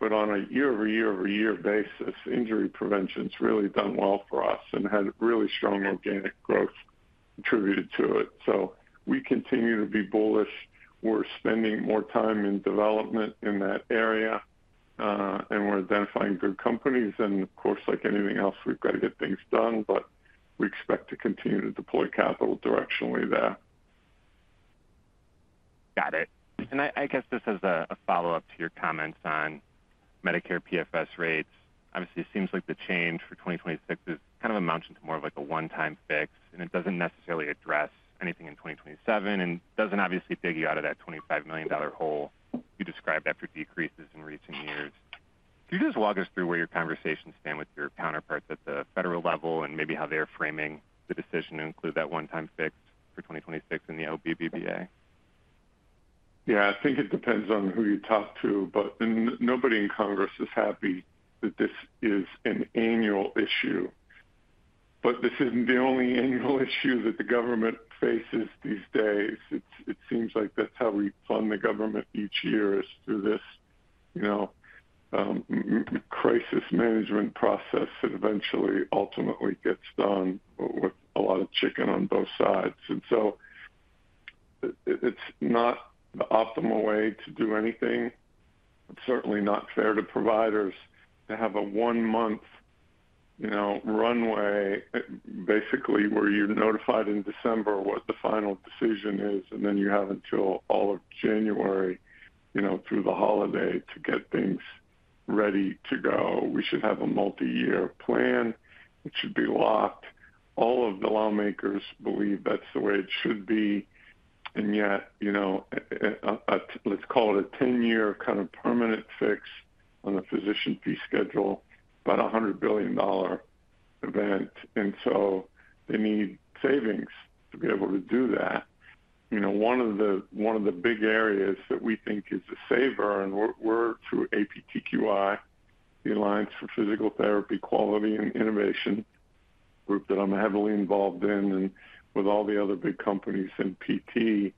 but on a year-over-year-over-year basis, injury prevention's really done well for us and had really strong organic growth attributed to it. We continue to be bullish. We're spending more time in development in that area, and we're identifying good companies. Of course, like anything else, we've got to get things done, but we expect to continue to deploy capital directionally there. Got it. I guess this is a follow-up to your comments on Medicare PFS rates. Obviously, it seems like the change for 2026 is kind of amounting to more of like a one-time fix, and it doesn't necessarily address anything in 2027 and doesn't obviously dig you out of that $25 million hole you described after decreases in recent years. Could you just walk us through where your conversations stand with your counterparts at the federal level and maybe how they're framing the decision to include that one-time fix for 2026 in the OBBBA? Yeah, I think it depends on who you talk to, but nobody in Congress is happy that this is an annual issue. This isn't the only annual issue that the government faces these days. It seems like that's how we fund the government each year, through this crisis management process that eventually ultimately gets done with a lot of chicken on both sides. It's not the optimal way to do anything. It's certainly not fair to providers to have a one-month runway basically where you're notified in December what the final decision is, and then you have until all of January, through the holiday, to get things ready to go. We should have a multi-year plan. It should be locked. All of the lawmakers believe that's the way it should be. Yet, let's call it a 10-year kind of permanent fix on the physician fee schedule, about a $100 billion event. They need savings to be able to do that. One of the big areas that we think is a saver, and we're through APTQI, the Alliance for Physical Therapy Quality and Innovation group that I'm heavily involved in, and with all the other big companies in PT,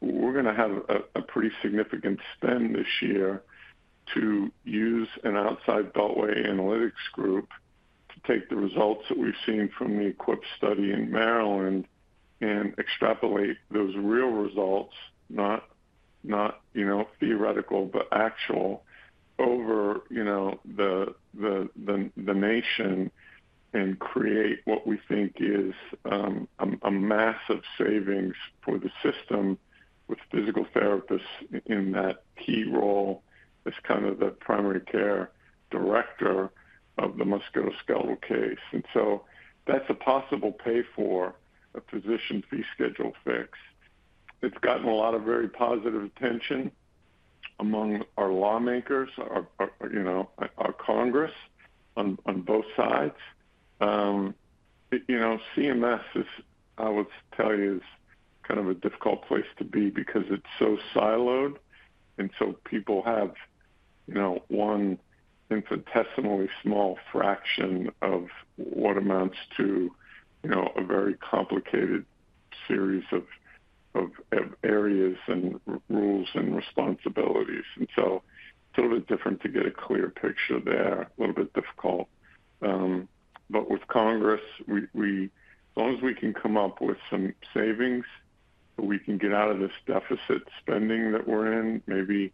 we're going to have a pretty significant spend this year to use an outside Beltway analytics group to take the results that we've seen from the EQUIP study in Maryland and extrapolate those real results, not theoretical, but actual, over the nation and create what we think is a massive savings for the system with physical therapists in that key role as kind of the primary care director of the musculoskeletal case. That's a possible pay for a physician fee schedule fix. It's gotten a lot of very positive attention among our lawmakers, our Congress on both sides. CMS is, I would tell you, kind of a difficult place to be because it's so siloed. People have one infinitesimally small fraction of what amounts to a very complicated series of areas and rules and responsibilities. It's a little bit different to get a clear picture there, a little bit difficult. With Congress, as long as we can come up with some savings so we can get out of this deficit spending that we're in, maybe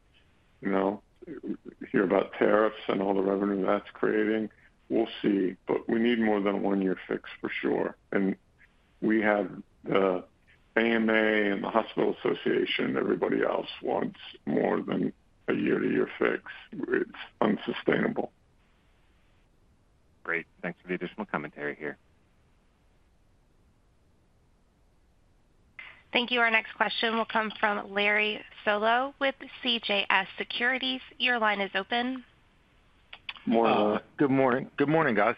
hear about tariffs and all the revenue that's creating, we'll see. We need more than a one-year fix for sure. We have the AMA and the Hospital Association, everybody else wants more than a year-to-year fix. It's unsustainable. Great. Thanks for the additional commentary here. Thank you. Our next question will come from Larry Solow with CJS Securities. Your line is open. Good morning. Good morning, guys.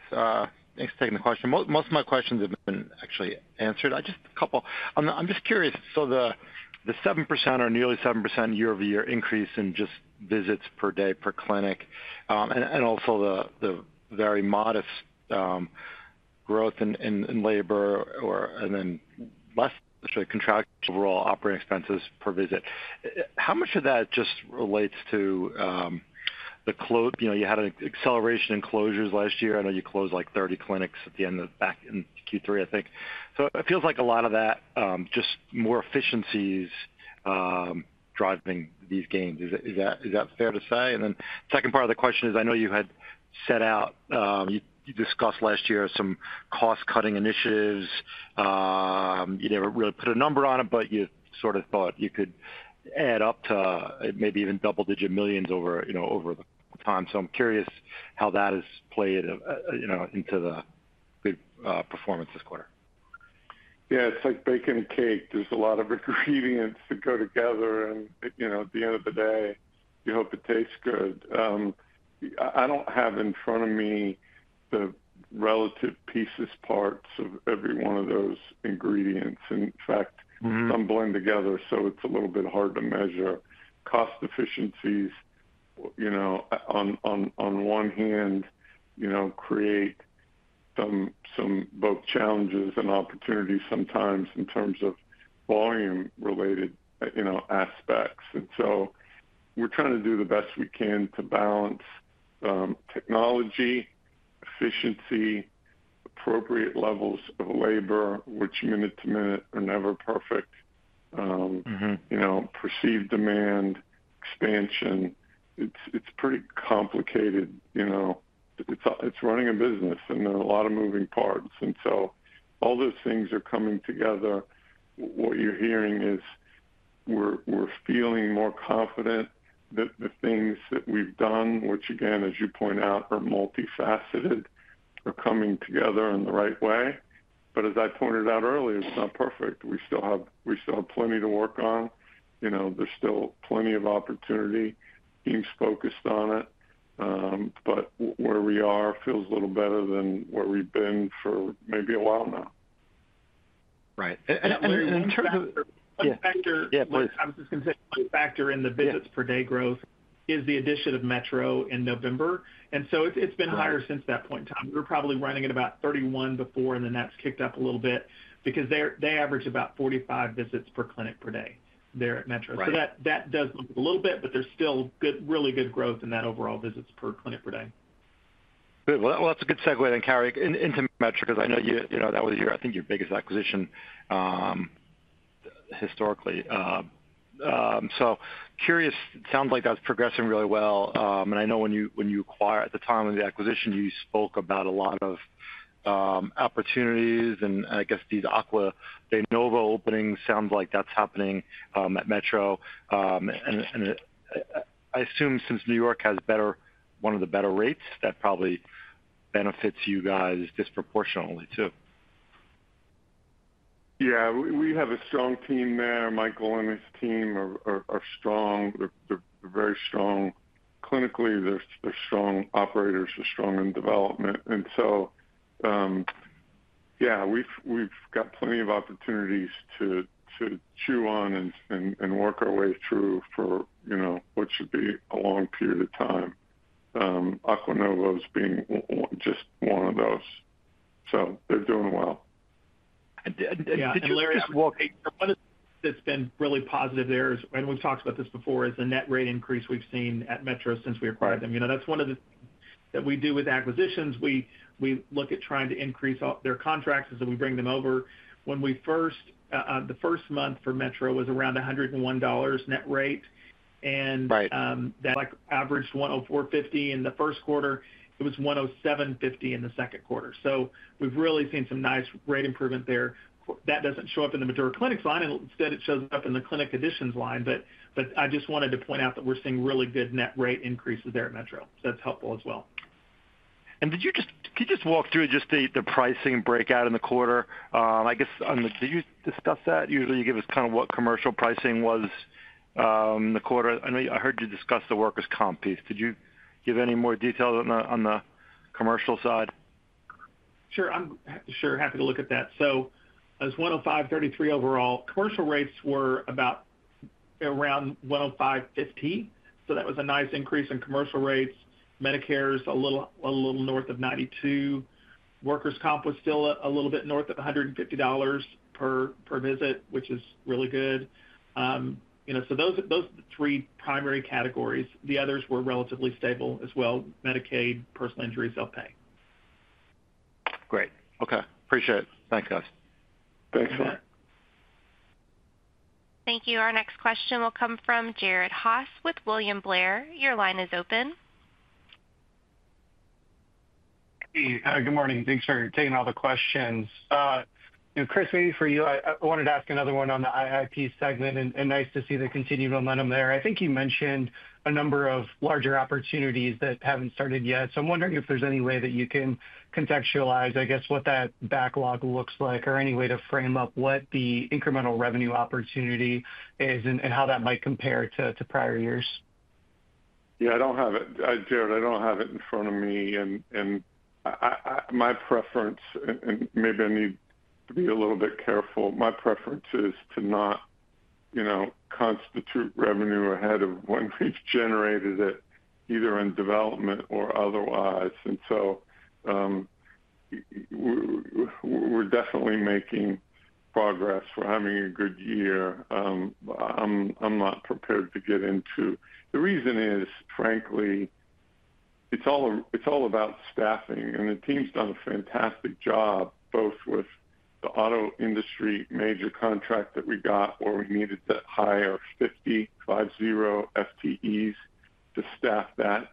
Thanks for taking the question. Most of my questions have been actually answered. I just have a couple. I'm just curious. The 7% or nearly 7% year-over-year increase in just visits per day per clinic, and also the very modest growth in labor, and then less, let's say, contractual overall operating expenses per visit. How much of that just relates to the closure? You know, you had an acceleration in closures last year. I know you closed like 30 clinics at the end of back in Q3, I think. It feels like a lot of that, just more efficiencies driving these gains. Is that fair to say? The second part of the question is, I know you had set out, you discussed last year some cost-cutting initiatives. You never really put a number on it, but you sort of thought you could add up to maybe even double-digit millions over the time. I'm curious how that has played into the good performance this quarter. Yeah, it's like baking a cake. There's a lot of ingredients that go together, and at the end of the day, you hope it tastes good. I don't have in front of me the relative pieces, parts of every one of those ingredients. In fact, I'm blending together, so it's a little bit hard to measure. Cost efficiencies, on one hand, create both challenges and opportunities sometimes in terms of volume-related aspects. We're trying to do the best we can to balance technology, efficiency, appropriate levels of labor, which minute to minute are never perfect, perceived demand, expansion. It's pretty complicated. It's running a business, and there are a lot of moving parts. All those things are coming together. What you're hearing is we're feeling more confident that the things that we've done, which again, as you point out, are multifaceted, are coming together in the right way. As I pointed out earlier, it's not perfect. We still have plenty to work on. There's still plenty of opportunity. He's focused on it, but where we are feels a little better than where we've been for maybe a while now. Right. In terms of the factor, I was just going to say the factor in the visits per day growth is the addition of Metro in November. It's been higher since that point in time. We were probably running at about 31 before, and that's kicked up a little bit because they average about 45 visits per clinic per day there at Metro. That does a little bit, but there's still really good growth in that overall visits per clinic per day. Good. That's a good segue, Carey, into Metro because I know that was your, I think, your biggest acquisition historically. Curious, it sounds like that's progressing really well. I know when you acquired at the time of the acquisition, you spoke about a lot of opportunities. I guess these de novo openings sound like that's happening at Metro. I assume since New York has one of the better rates, that probably benefits you guys disproportionately too. Yeah, we have a strong team there. Michael and his team are strong. They're very strong clinically. They're strong operators. They're strong in development. We've got plenty of opportunities to chew on and work our way through for, you know, what should be a long period of time. Aqua Novo is just one of those. They're doing well. I did. Lawrence just walked into one that's been really positive there. We've talked about this before, the net rate increase we've seen at Metro since we acquired them. You know, that's one of the things that we do with acquisitions. We look at trying to increase their contracts as we bring them over. The first month for Metro was around $101 net rate. That averaged $104.50 in the first quarter. It was $107.50 in the second quarter. We've really seen some nice rate improvement there. That doesn't show up in the Mature Clinics line. Instead, it shows up in the Clinic Additions line. I just wanted to point out that we're seeing really good net rate increases there at Metro. That's helpful as well. Could you just walk through the pricing breakout in the quarter? I guess, did you discuss that? Usually, you give us kind of what commercial pricing was in the quarter. I know I heard you discuss the workers' comp piece. Did you give any more details on the commercial side? I'm happy to look at that. It was $105.33 overall. Commercial rates were about $105.50. That was a nice increase in commercial rates. Medicare's a little north of $92. Workers' comp was still a little bit north of $150 per visit, which is really good. Those are the three primary categories. The others were relatively stable as well: Medicaid, personal injury, self-pay. Great. Okay. Appreciate it. Thanks, guys. Thanks, Ben. Thank you. Our next question will come from Jared Haase with William Blair. Your line is open. Hey, good morning. Thanks for taking all the questions. Chris, maybe for you, I wanted to ask another one on the IIP segment. Nice to see the continued momentum there. I think you mentioned a number of larger opportunities that haven't started yet. I'm wondering if there's any way that you can contextualize what that backlog looks like or any way to frame up what the incremental revenue opportunity is and how that might compare to prior years. I don't have it in front of me. My preference, and maybe I need to be a little bit careful, is to not constitute revenue ahead of when we've generated it, either in development or otherwise. We're definitely making progress. We're having a good year. I'm not prepared to get into the reason. Frankly, it's all about staffing. The team's done a fantastic job, both with the auto industry major contract that we got where we needed to hire 50 FTEs to staff that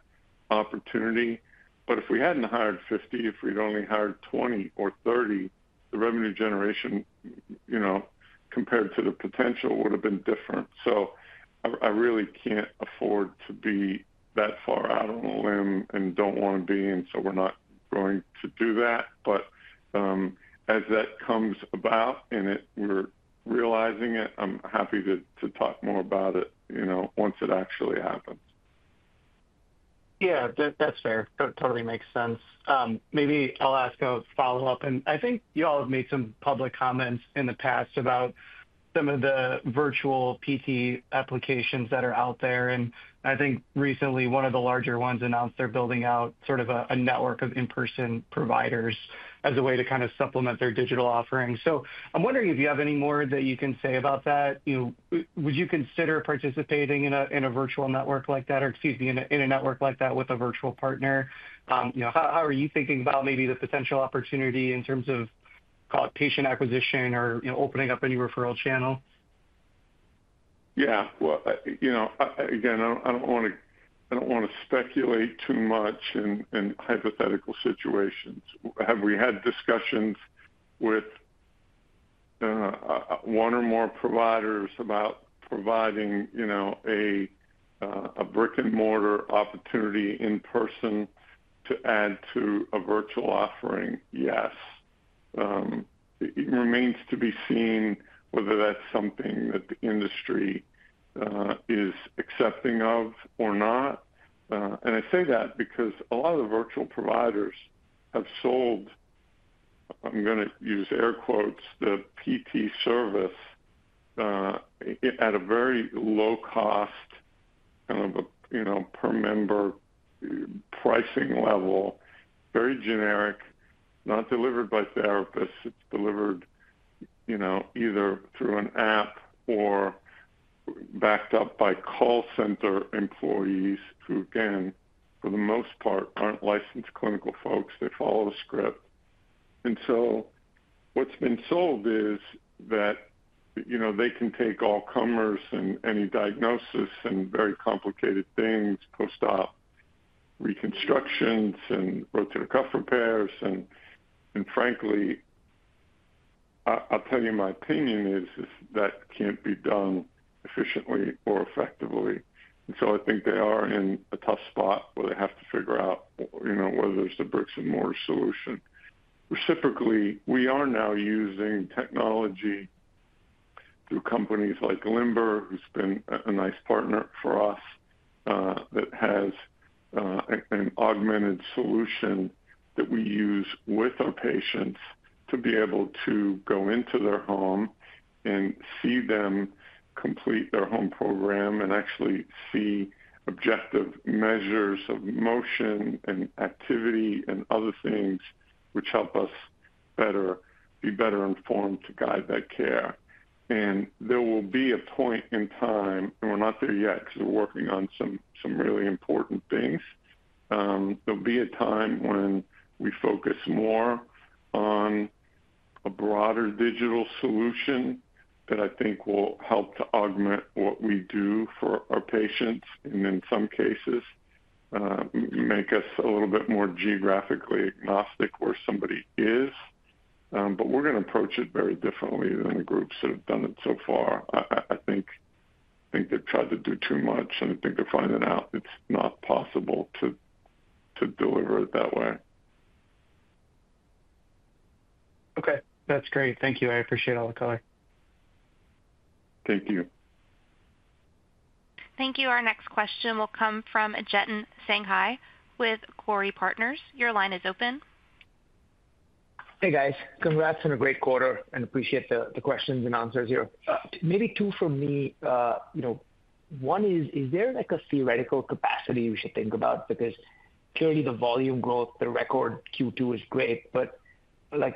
opportunity. If we hadn't hired 50, if we'd only hired 20 or 30, the revenue generation compared to the potential would have been different. I really can't afford to be that far out on a limb and don't want to be. We're not going to do that. As that comes about and we're realizing it, I'm happy to talk more about it once it actually happens. Yeah, that's fair. Totally makes sense. Maybe I'll ask a follow-up. I think you all have made some public comments in the past about some of the virtual PT applications that are out there. I think recently one of the larger ones announced they're building out sort of a network of in-person providers as a way to kind of supplement their digital offerings. I'm wondering if you have any more that you can say about that. Would you consider participating in a network like that with a virtual partner? How are you thinking about maybe the potential opportunity in terms of, call it, patient acquisition or opening up a new referral channel? Yeah, you know, I don't want to speculate too much in hypothetical situations. Have we had discussions with one or more providers about providing a brick-and-mortar opportunity in person to add to a virtual offering? Yes. It remains to be seen whether that's something that the industry is accepting of or not. I say that because a lot of the virtual providers have sold, I'm going to use air quotes, the PT service at a very low cost, kind of a per member pricing level, very generic, not delivered by therapists. It's delivered either through an app or backed up by call center employees who, for the most part, aren't licensed clinical folks. They follow a script. What's been solved is that they can take all comers and any diagnosis and very complicated things, post-op reconstructions and rotator cuff repairs. Frankly, I'll tell you, my opinion is that can't be done efficiently or effectively. I think they are in a tough spot where they have to figure out whether there's a brick-and-mortar solution. Reciprocally, we are now using technology through companies like Limber, who's been a nice partner for us, that has an augmented solution that we use with our patients to be able to go into their home and see them complete their home program and actually see objective measures of motion and activity and other things, which help us be better informed to guide that care. There will be a point in time, and we're not there yet because we're working on some really important things. There'll be a time when we focus more on a broader digital solution that I think will help to augment what we do for our patients and in some cases, make us a little bit more geographically agnostic where somebody is. We're going to approach it very differently than the groups that have done it so far. I think they've tried to do too much, and I think they're finding out it's not possible to deliver it that way. Okay, that's great. Thank you. I appreciate all the color. Thank you. Thank you. Our next question will come from Jiten Sanghai with Corre Partners. Your line is open. Hey, guys. Congrats on a great quarter, and I appreciate the questions and answers here. Maybe two from me. One is, is there like a theoretical capacity we should think about? Because clearly, the volume growth, the record Q2 is great, but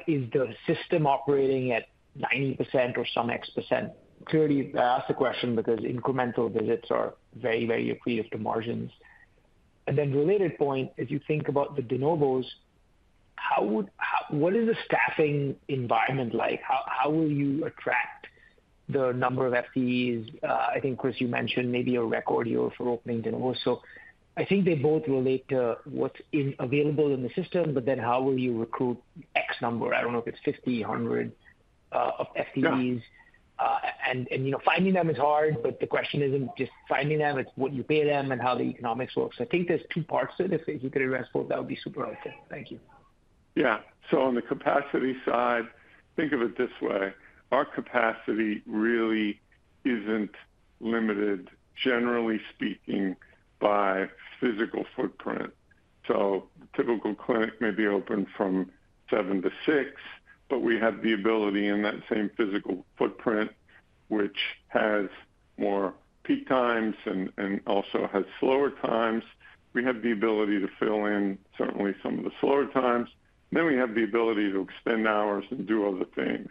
is the system operating at 90% or some X%? I ask the question because incremental visits are very, very depleted to margins. A related point, if you think about the de novos, what is the staffing environment like? How will you attract the number of FTEs? I think, Chris, you mentioned maybe a record year for opening de novos. I think they both relate to what's available in the system, but how will you recruit this number? I don't know if it's 50, 100 of FTEs. Finding them is hard, but the question isn't just finding them. It's what you pay them and how the economics work. I think there's two parts to it. If you could address both, that would be super helpful. Thank you. Yeah. On the capacity side, think of it this way. Our capacity really isn't limited, generally speaking, by physical footprint. The typical clinic may be open from 7 A.M-6 P.M, but we have the ability in that same physical footprint, which has more peak times and also has slower times. We have the ability to fill in certainly some of the slower times. We have the ability to extend hours and do other things.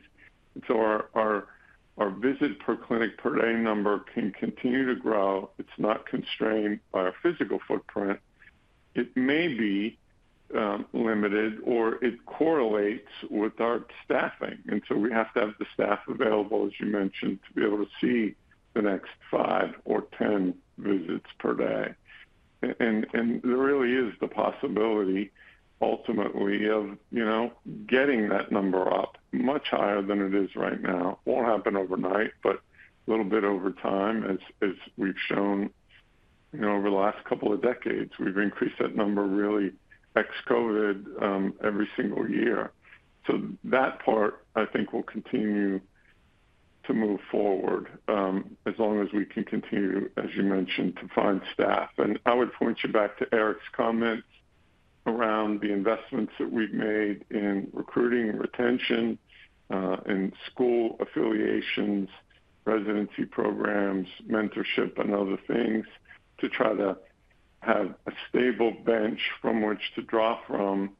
Our visit per clinic per day number can continue to grow. It's not constrained by our physical footprint. It may be limited or it correlates with our staffing. We have to have the staff available, as you mentioned, to be able to see the next 5 or 10 visits per day. There really is the possibility, ultimately, of getting that number up much higher than it is right now. It won't happen overnight, but a little bit over time, as we've shown over the last couple of decades, we've increased that number really ex-COVID every single year. That part, I think, will continue to move forward as long as we can continue, as you mentioned, to find staff. I would point you back to Eric's comments around the investments that we've made in recruiting and retention and school affiliations, residency programs, mentorship, and other things to try to have a stable bench from which to draw from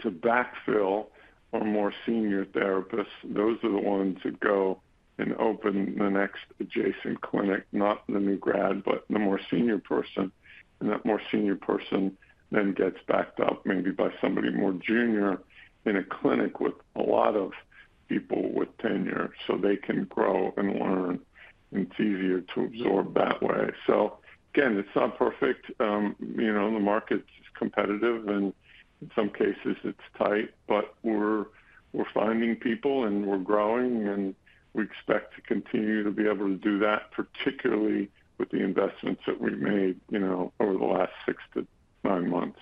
to backfill our more senior therapists. Those are the ones that go and open the next adjacent clinic, not the new grad, but the more senior person. That more senior person then gets backed up maybe by somebody more junior in a clinic with a lot of people with tenure so they can grow and learn, and it's easier to absorb that way. Again, it's not perfect. The market's competitive, and in some cases, it's tight, but we're finding people and we're growing, and we expect to continue to be able to do that, particularly with the investments that we've made over the last six to nine months.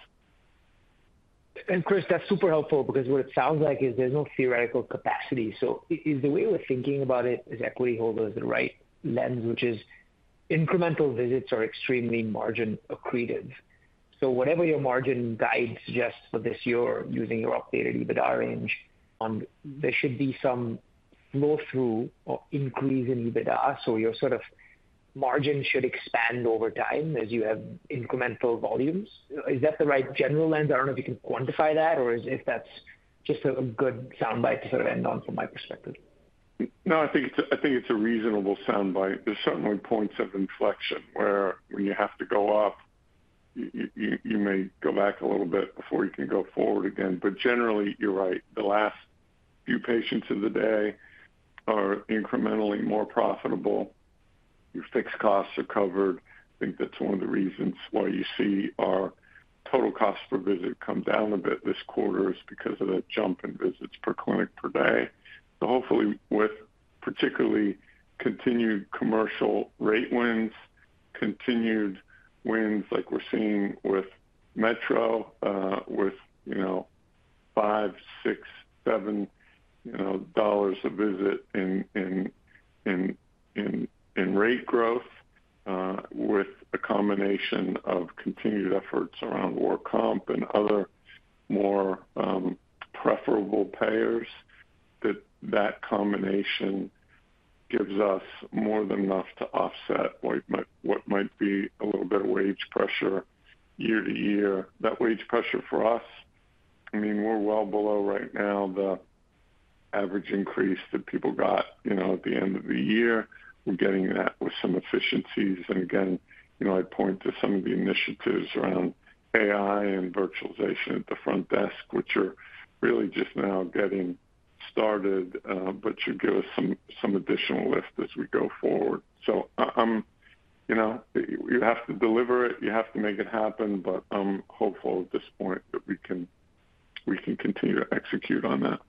Chris, that's super helpful because what it sounds like is there's no theoretical capacity. Is the way we're thinking about it as equity holders the right lens, which is incremental visits are extremely margin accretive? Whatever your margin guide suggests for this year, using your updated EBITDA range, there should be some flow-through or increase in EBITDA. Your sort of margin should expand over time as you have incremental volumes. Is that the right general lens? I don't know if you can quantify that or if that's just a good soundbite to sort of end on from my perspective. No, I think it's a reasonable soundbite. There's certainly points of inflection where when you have to go up, you may go back a little bit before you can go forward again. Generally, you're right. The last few patients of the day are incrementally more profitable. Your fixed costs are covered. I think that's one of the reasons why you see our total costs per visit come down a bit this quarter, because of that jump in visits per clinic per day. Hopefully, with particularly continued commercial rate wins, continued wins like we're seeing with Metro, with $5, $6, $7 a visit in rate growth, with a combination of continued efforts around work comp and other more preferable payers, that combination gives us more than enough to offset what might be a little bit of wage pressure year-to-year. That wage pressure for us, I mean, we're well below right now the average increase that people got at the end of the year. We're getting that with some efficiencies. I point to some of the initiatives around AI and virtualization at the front desk, which are really just now getting started, but should give us some additional lift as we go forward. You have to deliver it. You have to make it happen, but I'm hopeful at this point that we can continue to execute on that.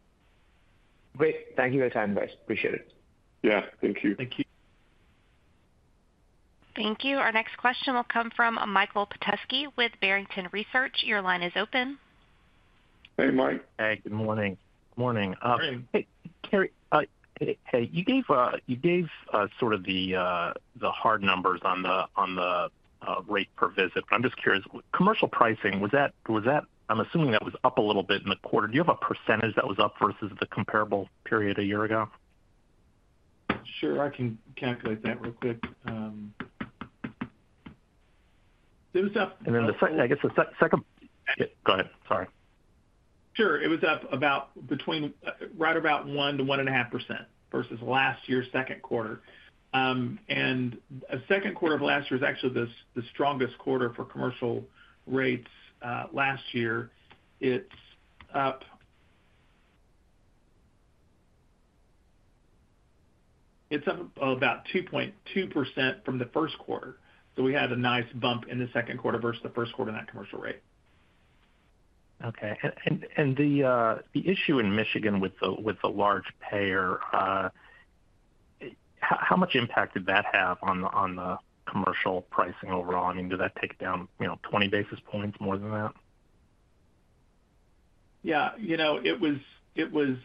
Great. Thank you for the time, guys. Appreciate it. Thank you. Thank you. Thank you. Our next question will come from Michael Petusky with Barrington Research. Your line is open. Hey, Mike. Hey, good morning. Morning. Hey, hey, Carey. You gave sort of the hard numbers on the rate per visit, but I'm just curious, commercial pricing, was that, I'm assuming that was up a little bit in the quarter. Do you have a percentage that was up versus the comparable period a year ago? Sure, I can calculate that real quick. It was up. The second, go ahead. Sorry. Sure. It was up about between right about 1%-1.5% versus last year's second quarter. The second quarter of last year is actually the strongest quarter for commercial rates. Last year, it's up about 2.2% from the first quarter. We had a nice bump in the second quarter versus the first quarter in that commercial rate. Okay. The issue in Michigan with the large payer, how much impact did that have on the commercial pricing overall? Did that take it down 20 basis points, more than that? Yeah, it was,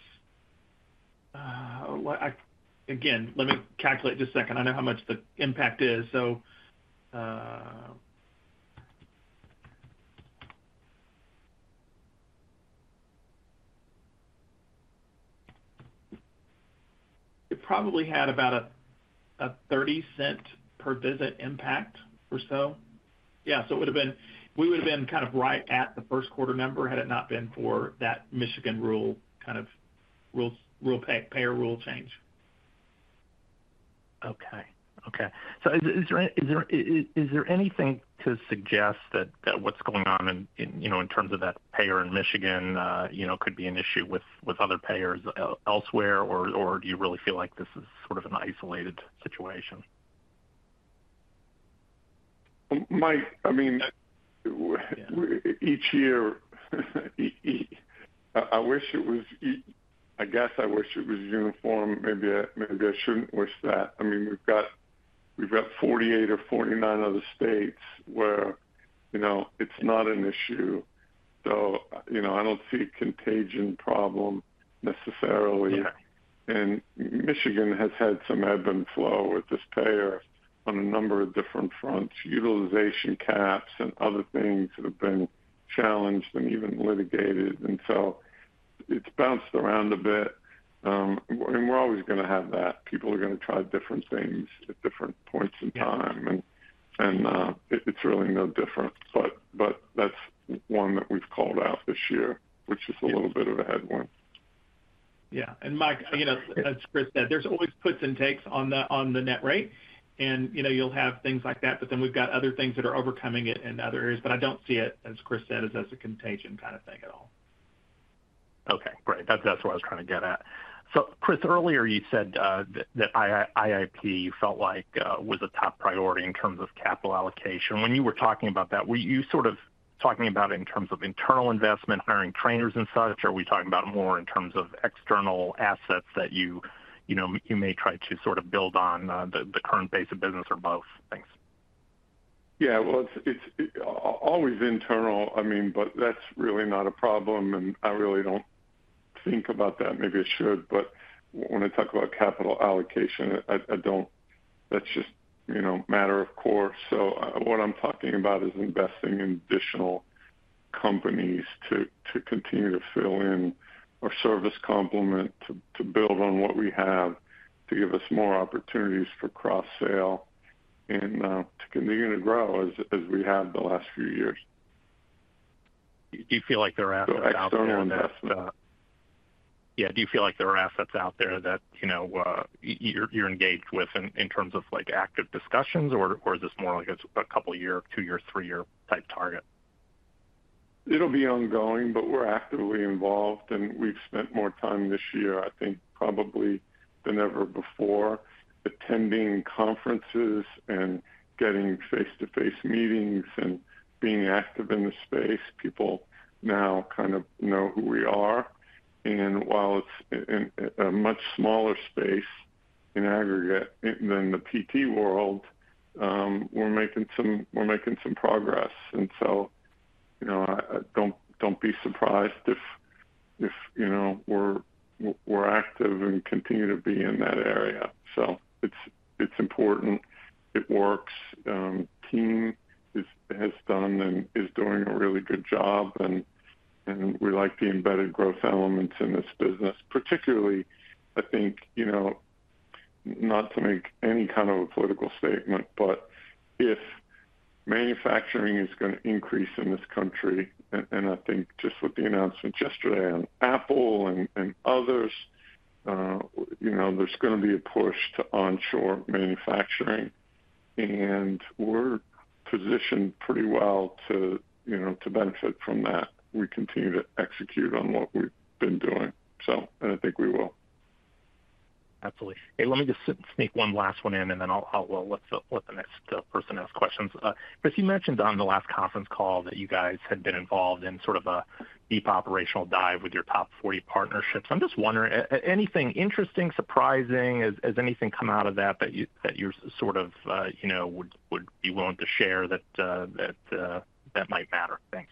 let me calculate just a second. I know how much the impact is. It probably had about a $0.30 per visit impact or so. It would have been, we would have been kind of right at the first quarter number had it not been for that Michigan rule, kind of rules, rule payer rule change. Okay. Is there anything to suggest that what's going on in, you know, in terms of that payer in Michigan could be an issue with other payers elsewhere, or do you really feel like this is sort of an isolated situation? Mike, I mean, each year, I wish it was, I guess I wish it was uniform. Maybe I shouldn't wish that. I mean, we've got 48 or 49 other states where, you know, it's not an issue. I don't see a contagion problem necessarily. Michigan has had some ebb and flow with this payer on a number of different fronts. Utilization caps and other things have been challenged and even litigated, and so it's bounced around a bit. We're always going to have that. People are going to try different things at different points in time. It's really no different, but that's one that we've called out. year, which is a little bit of a headwind. Yeah. Mike, you know, as Chris said, there's always puts and takes on the net, right? You'll have things like that, but we've got other things that are overcoming it in other areas. I don't see it, as Chris said, as a contagion kind of thing at all. Okay, great. That's what I was trying to get at. Chris, earlier you said that IIP you felt like was a top priority in terms of capital allocation. When you were talking about that, were you sort of talking about it in terms of internal investment, hiring trainers and such? Or are we talking about it more in terms of external assets that you, you know, you may try to sort of build on the current base of business or both things? Yeah, it's always internal. I mean, that's really not a problem. I really don't think about that. Maybe I should. When I talk about capital allocation, I don't. That's just, you know, matter of course. What I'm talking about is investing in additional companies to continue to fill in or service complement to build on what we have to give us more opportunities for cross-sale and to continue to grow as we have the last few years. Do you feel like there are assets out there? External investment. Yeah. Do you feel like there are assets out there that you're engaged with in terms of active discussions, or is this more like a couple of years, two years, three year type target? It'll be ongoing, but we're actively involved. We've spent more time this year, I think probably than ever before, attending conferences, getting face-to-face meetings, and being active in the space. People now kind of know who we are. While it's in a much smaller space in aggregate than the PT world, we're making some progress. You know, don't be surprised if we're active and continue to be in that area. It's important. It works. The team has done and is doing a really good job. We like the embedded growth elements in this business, particularly, I think, not to make any kind of a political statement, but if manufacturing is going to increase in this country, and I think just with the announcements yesterday on Apple and others, there's going to be a push to onshore manufacturing. We're positioned pretty well to benefit from that. We continue to execute on what we've been doing, and I think we will. Absolutely. Let me just sneak one last one in, and then I'll let the next person ask questions. Chris, you mentioned on the last conference call that you guys had been involved in sort of a deep operational dive with your top 40 partnerships. I'm just wondering, anything interesting, surprising? Has anything come out of that that you're sort of, you know, would be willing to share that might matter? Thanks.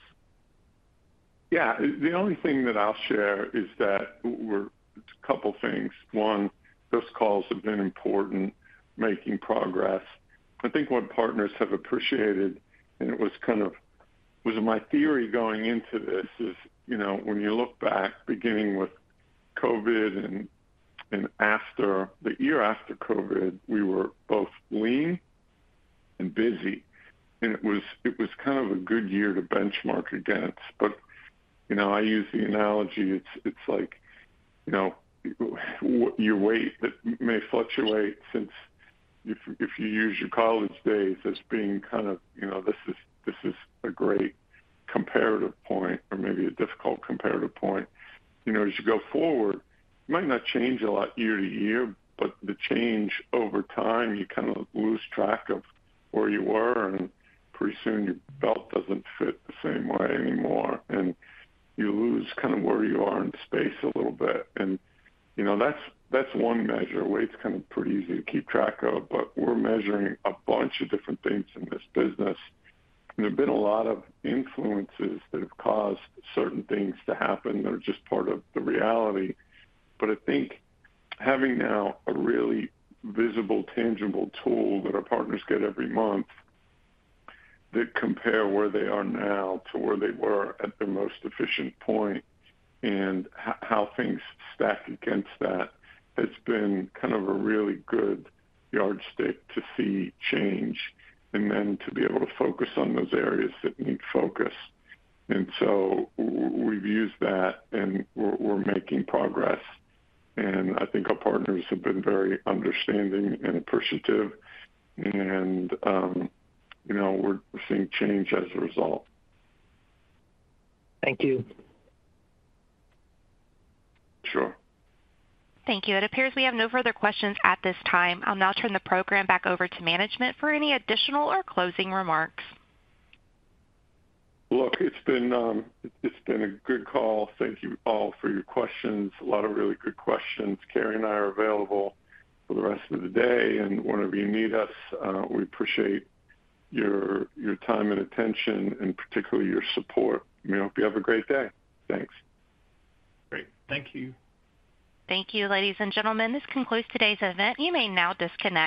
Yeah, the only thing that I'll share is that we're a couple of things. One, those calls have been important, making progress. I think what partners have appreciated, and it was kind of, was my theory going into this, is, you know, when you look back, beginning with COVID and after the year after COVID, we were both lean and busy. It was kind of a good year to benchmark against. I use the analogy, it's like, you know, your weight that may fluctuate since if you use your college days as being kind of, you know, this is a great comparative point or maybe a difficult comparative point. You know, as you go forward, you might not change a lot year-to-year, but the change over time, you kind of lose track of where you were. Pretty soon your belt doesn't fit the same way anymore, and you lose kind of where you are in space a little bit. You know, that's one measure. Weight's kind of pretty easy to keep track of, but we're measuring a bunch of different things in this business. There have been a lot of influences that have caused certain things to happen that are just part of the reality. I think having now a really visible, tangible tool that our partners get every month, they compare where they are now to where they were at the most efficient point and how things stack against that. It's been kind of a really good yardstick to see change and then to be able to focus on those areas that need focus. We've used that and we're making progress. I think our partners have been very understanding and appreciative. You know, we're seeing change as a result. Thank you. Sure. Thank you. It appears we have no further questions at this time. I'll now turn the program back over to management for any additional or closing remarks. Look, it's been a good call. Thank you all for your questions. A lot of really good questions. Carey and I are available for the rest of the day whenever you need us. We appreciate your time and attention and particularly your support. We hope you have a great day. Thanks. Great. Thank you. Thank you, ladies and gentlemen. This concludes today's event. You may now disconnect.